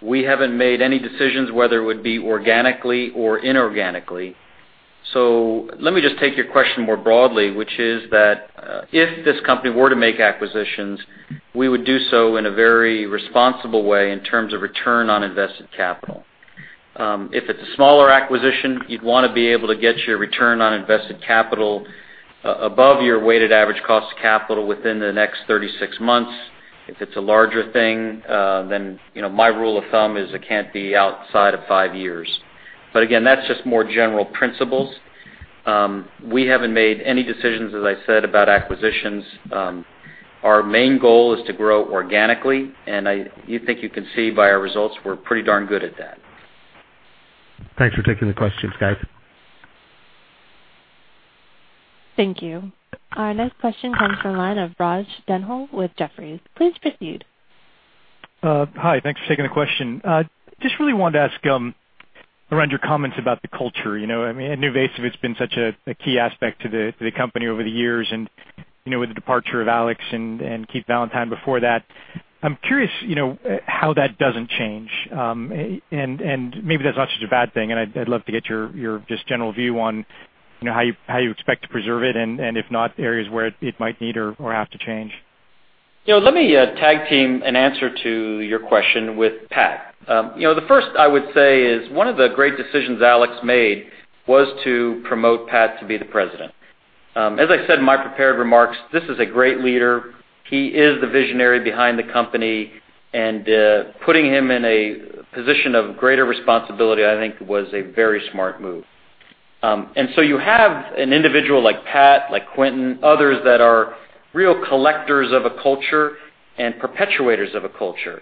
We haven't made any decisions whether it would be organically or inorganically. Let me just take your question more broadly, which is that if this company were to make acquisitions, we would do so in a very responsible way in terms of return on invested capital. If it's a smaller acquisition, you'd want to be able to get your return on invested capital above your weighted average cost of capital within the next 36 months. If it's a larger thing, then my rule of thumb is it can't be outside of five years. Again, that's just more general principles. We haven't made any decisions, as I said, about acquisitions. Our main goal is to grow organically. I think you can see by our results we're pretty darn good at that. Thanks for taking the questions, guys. Thank you. Our next question comes from the line of Raj Denhoy with Jefferies. Please proceed. Hi. Thanks for taking the question. Just really wanted to ask around your comments about the culture. I mean, at NuVasive, it's been such a key aspect to the company over the years. With the departure of Alex and Keith Valentine before that, I'm curious how that doesn't change. Maybe that's not such a bad thing. I'd love to get your just general view on how you expect to preserve it and, if not, areas where it might need or have to change. Let me tag team an answer to your question with Pat. The first I would say is one of the great decisions Alex made was to promote Pat to be the President. As I said in my prepared remarks, this is a great leader. He is the visionary behind the company. Putting him in a position of greater responsibility, I think, was a very smart move. You have an individual like Pat, like Quentin, others that are real collectors of a culture and perpetuators of a culture.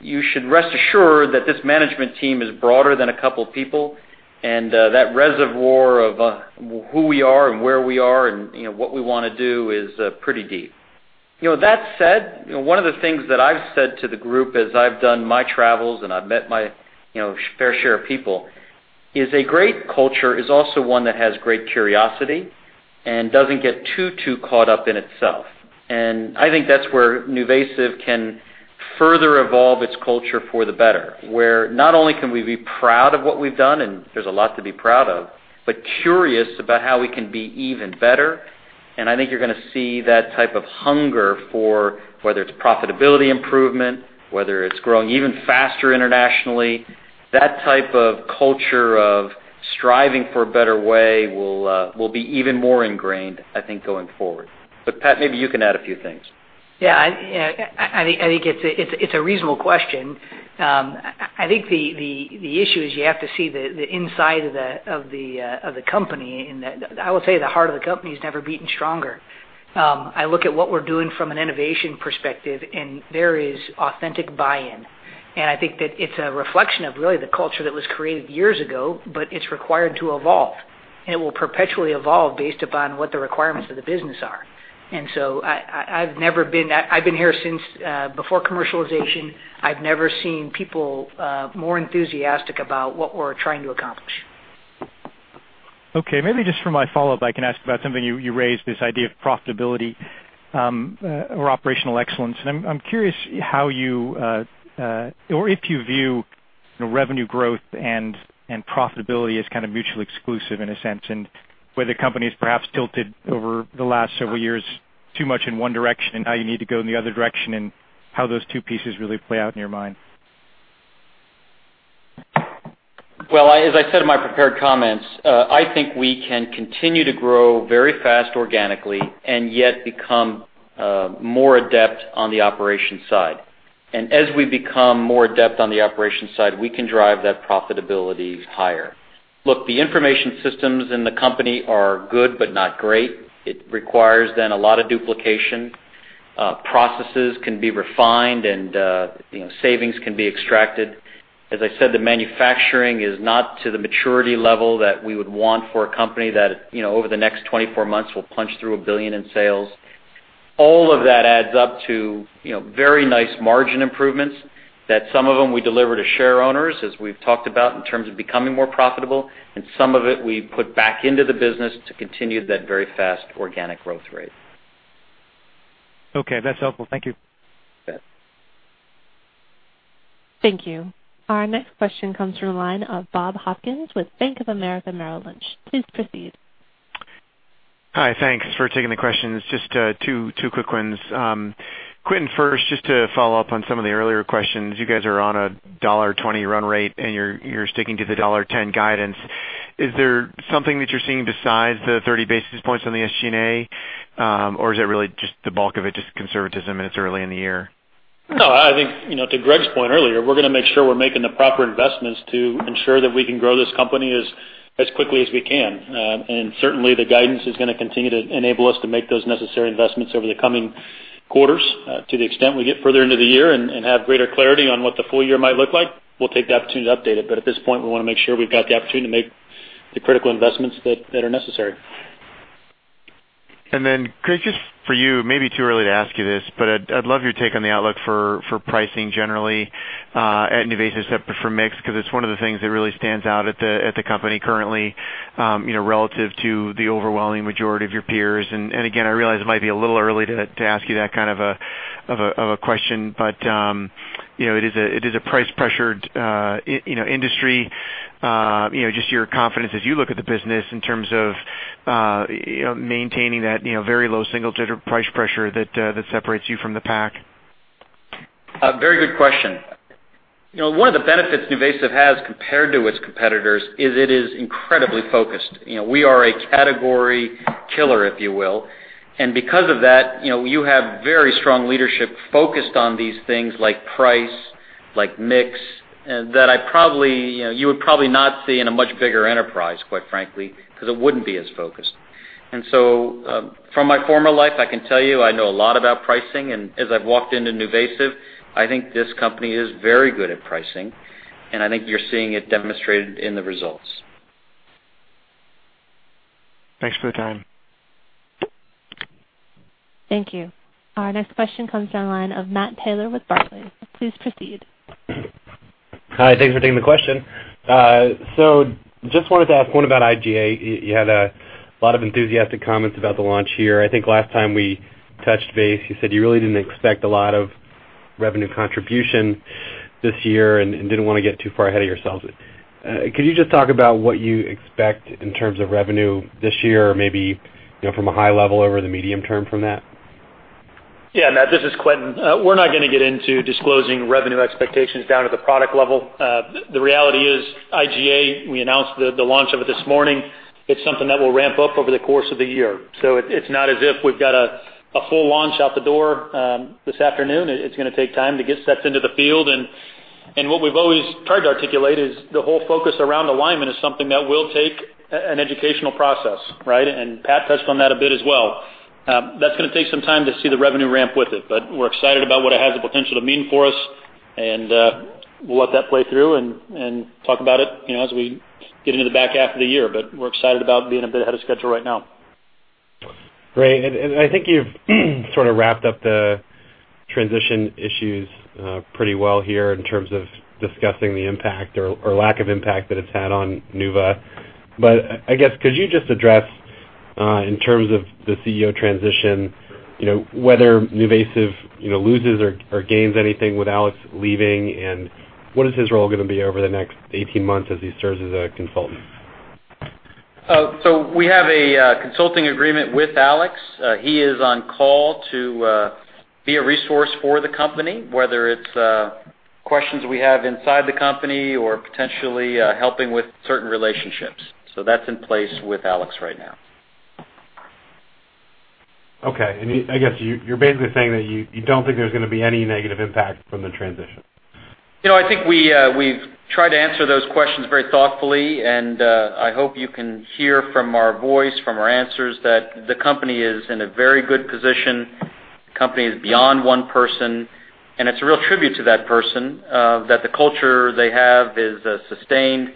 You should rest assured that this management team is broader than a couple of people. That reservoir of who we are and where we are and what we want to do is pretty deep. That said, one of the things that I've said to the group as I've done my travels and I've met my fair share of people is a great culture is also one that has great curiosity and does not get too, too caught up in itself. I think that's where NuVasive can further evolve its culture for the better, where not only can we be proud of what we've done - and there's a lot to be proud of - but curious about how we can be even better. I think you're going to see that type of hunger for whether it's profitability improvement, whether it's growing even faster internationally, that type of culture of striving for a better way will be even more ingrained, I think, going forward. Pat, maybe you can add a few things. Yeah. I think it's a reasonable question. I think the issue is you have to see the inside of the company. I will say the heart of the company has never beaten stronger. I look at what we're doing from an innovation perspective, and there is authentic buy-in. I think that it's a reflection of really the culture that was created years ago, but it's required to evolve. It will perpetually evolve based upon what the requirements of the business are. I've been here since before commercialization. I've never seen people more enthusiastic about what we're trying to accomplish. Okay. Maybe just for my follow-up, I can ask about something you raised, this idea of profitability or operational excellence. I'm curious how you or if you view revenue growth and profitability as kind of mutually exclusive in a sense and whether the company has perhaps tilted over the last several years too much in one direction and now you need to go in the other direction and how those two pieces really play out in your mind. As I said in my prepared comments, I think we can continue to grow very fast organically and yet become more adept on the operation side. As we become more adept on the operation side, we can drive that profitability higher. Look, the information systems in the company are good but not great. It requires then a lot of duplication. Processes can be refined and savings can be extracted. As I said, the manufacturing is not to the maturity level that we would want for a company that over the next 24 months will punch through $1 billion in sales. All of that adds up to very nice margin improvements that some of them we deliver to share owners, as we've talked about, in terms of becoming more profitable. Some of it we put back into the business to continue that very fast organic growth rate. Okay. That's helpful. Thank you. Thanks. Thank you. Our next question comes from the line of Bob Hopkins with Bank of America Merrill Lynch. Please proceed. Hi. Thanks for taking the questions. Just two quick ones. Quentin, first, just to follow up on some of the earlier questions. You guys are on a $1.20 run rate and you're sticking to the $1.10 guidance. Is there something that you're seeing besides the 30 basis points on the SG&A? Or is it really just the bulk of it just conservatism and it's early in the year? No. I think to Greg's point earlier, we're going to make sure we're making the proper investments to ensure that we can grow this company as quickly as we can. Certainly, the guidance is going to continue to enable us to make those necessary investments over the coming quarters to the extent we get further into the year and have greater clarity on what the full year might look like. We'll take the opportunity to update it. At this point, we want to make sure we've got the opportunity to make the critical investments that are necessary. Greg, just for you, maybe too early to ask you this, but I'd love your take on the outlook for pricing generally at NuVasive for mix because it's one of the things that really stands out at the company currently relative to the overwhelming majority of your peers. I realize it might be a little early to ask you that kind of a question, but it is a price-pressured industry. Just your confidence as you look at the business in terms of maintaining that very low single-digit price pressure that separates you from the pack? Very good question. One of the benefits NuVasive has compared to its competitors is it is incredibly focused. We are a category killer, if you will. Because of that, you have very strong leadership focused on these things like price, like mix, that you would probably not see in a much bigger enterprise, quite frankly, because it would not be as focused. From my former life, I can tell you I know a lot about pricing. As I have walked into NuVasive, I think this company is very good at pricing. I think you are seeing it demonstrated in the results. Thanks for the time. Thank you. Our next question comes from the line of Matt Taylor with Barclays. Please proceed. Hi. Thanks for taking the question. Just wanted to ask one about IGA. You had a lot of enthusiastic comments about the launch here. I think last time we touched base, you said you really did not expect a lot of revenue contribution this year and did not want to get too far ahead of yourselves. Could you just talk about what you expect in terms of revenue this year or maybe from a high level over the medium term from that? Yeah. Matt, this is Quentin. We're not going to get into disclosing revenue expectations down to the product level. The reality is IGA, we announced the launch of it this morning. It's something that will ramp up over the course of the year. It's not as if we've got a full launch out the door this afternoon. It's going to take time to get steps into the field. What we've always tried to articulate is the whole focus around alignment is something that will take an educational process, right? Pat touched on that a bit as well. That's going to take some time to see the revenue ramp with it. We're excited about what it has the potential to mean for us. We'll let that play through and talk about it as we get into the back half of the year. We're excited about being a bit ahead of schedule right now. Great. I think you've sort of wrapped up the transition issues pretty well here in terms of discussing the impact or lack of impact that it's had on NuVasive. I guess, could you just address in terms of the CEO transition whether NuVasive loses or gains anything with Alex leaving? What is his role going to be over the next 18 months as he serves as a consultant? We have a consulting agreement with Alex. He is on call to be a resource for the company, whether it's questions we have inside the company or potentially helping with certain relationships. That's in place with Alex right now. Okay. I guess you're basically saying that you don't think there's going to be any negative impact from the transition? I think we've tried to answer those questions very thoughtfully. I hope you can hear from our voice, from our answers, that the company is in a very good position. The company is beyond one person. It's a real tribute to that person that the culture they have is sustained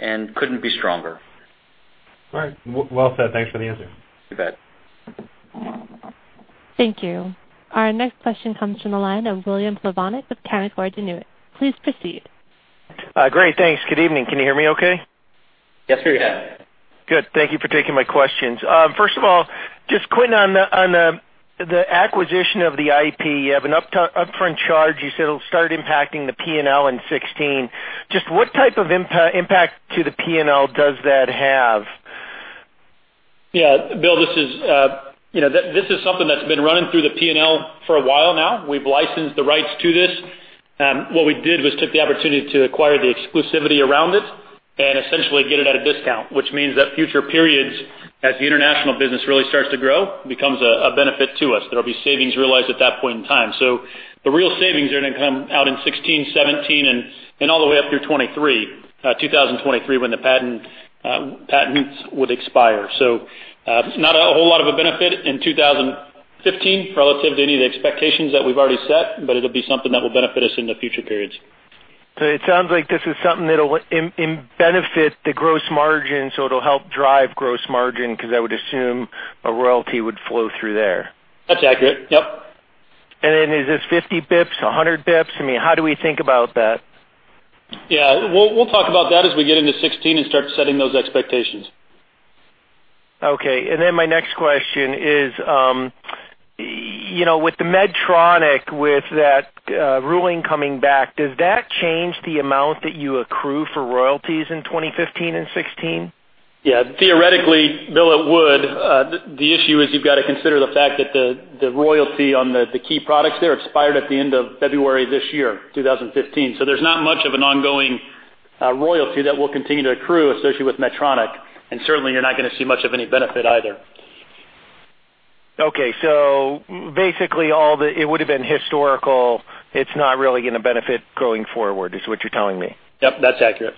and couldn't be stronger. All right. Well said. Thanks for the answer. You bet. Thank you. Our next question comes from the line of William Plovanic with Canaccord Genuity. Please proceed. Great. Thanks. Good evening. Can you hear me okay? Yes, we can. Good. Thank you for taking my questions. First of all, just Quentin, on the acquisition of the IP, you have an upfront charge. You said it'll start impacting the P&L in 2016. Just what type of impact to the P&L does that have? Yeah. Bill, this is something that's been running through the P&L for a while now. We've licensed the rights to this. What we did was took the opportunity to acquire the exclusivity around it and essentially get it at a discount, which means that future periods as the international business really starts to grow becomes a benefit to us. There'll be savings realized at that point in time. The real savings are going to come out in 2016, 2017, and all the way up through 2023 when the patent would expire. Not a whole lot of a benefit in 2015 relative to any of the expectations that we've already set, but it'll be something that will benefit us in the future periods. It sounds like this is something that'll benefit the gross margin, so it'll help drive gross margin because I would assume a royalty would flow through there. That's accurate. Yep. Is this 50 basis points, 100 basis points? I mean, how do we think about that? Yeah. We'll talk about that as we get into 2016 and start setting those expectations. Okay. My next question is with the Medtronic, with that ruling coming back, does that change the amount that you accrue for royalties in 2015 and 2016? Yeah. Theoretically, Bill, it would. The issue is you've got to consider the fact that the royalty on the key products there expired at the end of February this year, 2015. There is not much of an ongoing royalty that will continue to accrue associated with Medtronic. Certainly, you're not going to see much of any benefit either. Okay. So basically, it would have been historical. It's not really going to benefit going forward is what you're telling me. Yep. That's accurate.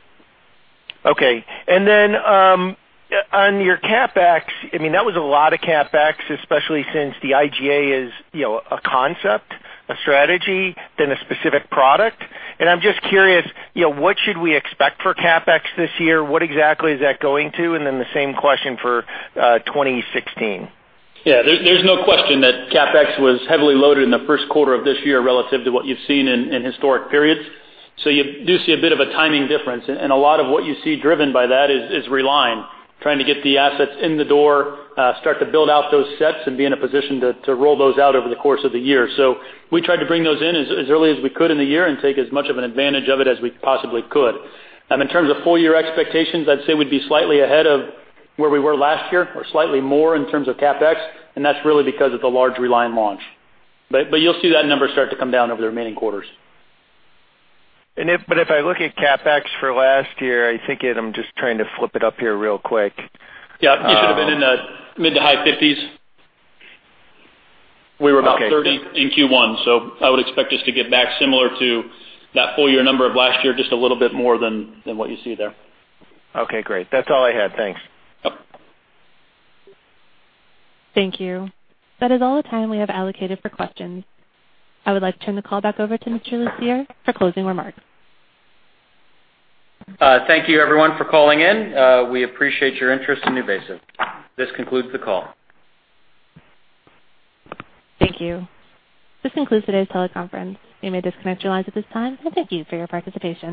Okay. And then on your CapEx, I mean, that was a lot of CapEx, especially since the IGA is a concept, a strategy, then a specific product. I'm just curious, what should we expect for CapEx this year? What exactly is that going to? And then the same question for 2016. Yeah. There's no question that CapEx was heavily loaded in the first quarter of this year relative to what you've seen in historic periods. You do see a bit of a timing difference. A lot of what you see driven by that is RELINE, trying to get the assets in the door, start to build out those sets, and be in a position to roll those out over the course of the year. We tried to bring those in as early as we could in the year and take as much of an advantage of it as we possibly could. In terms of full-year expectations, I'd say we'd be slightly ahead of where we were last year or slightly more in terms of CapEx. That's really because of the large RELINE launch. You'll see that number start to come down over the remaining quarters. If I look at CapEx for last year, I think it—I am just trying to flip it up here real quick. Yeah. You should have been in the mid to high 50s. We were about 30. In Q1. I would expect us to get back similar to that full-year number of last year, just a little bit more than what you see there. Okay. Great. That's all I had. Thanks. Thank you. That is all the time we have allocated for questions. I would like to turn the call back over to Mr. Lucier for closing remarks. Thank you, everyone, for calling in. We appreciate your interest in NuVasive. This concludes the call. Thank you. This concludes today's teleconference. You may disconnect your lines at this time and thank you for your participation.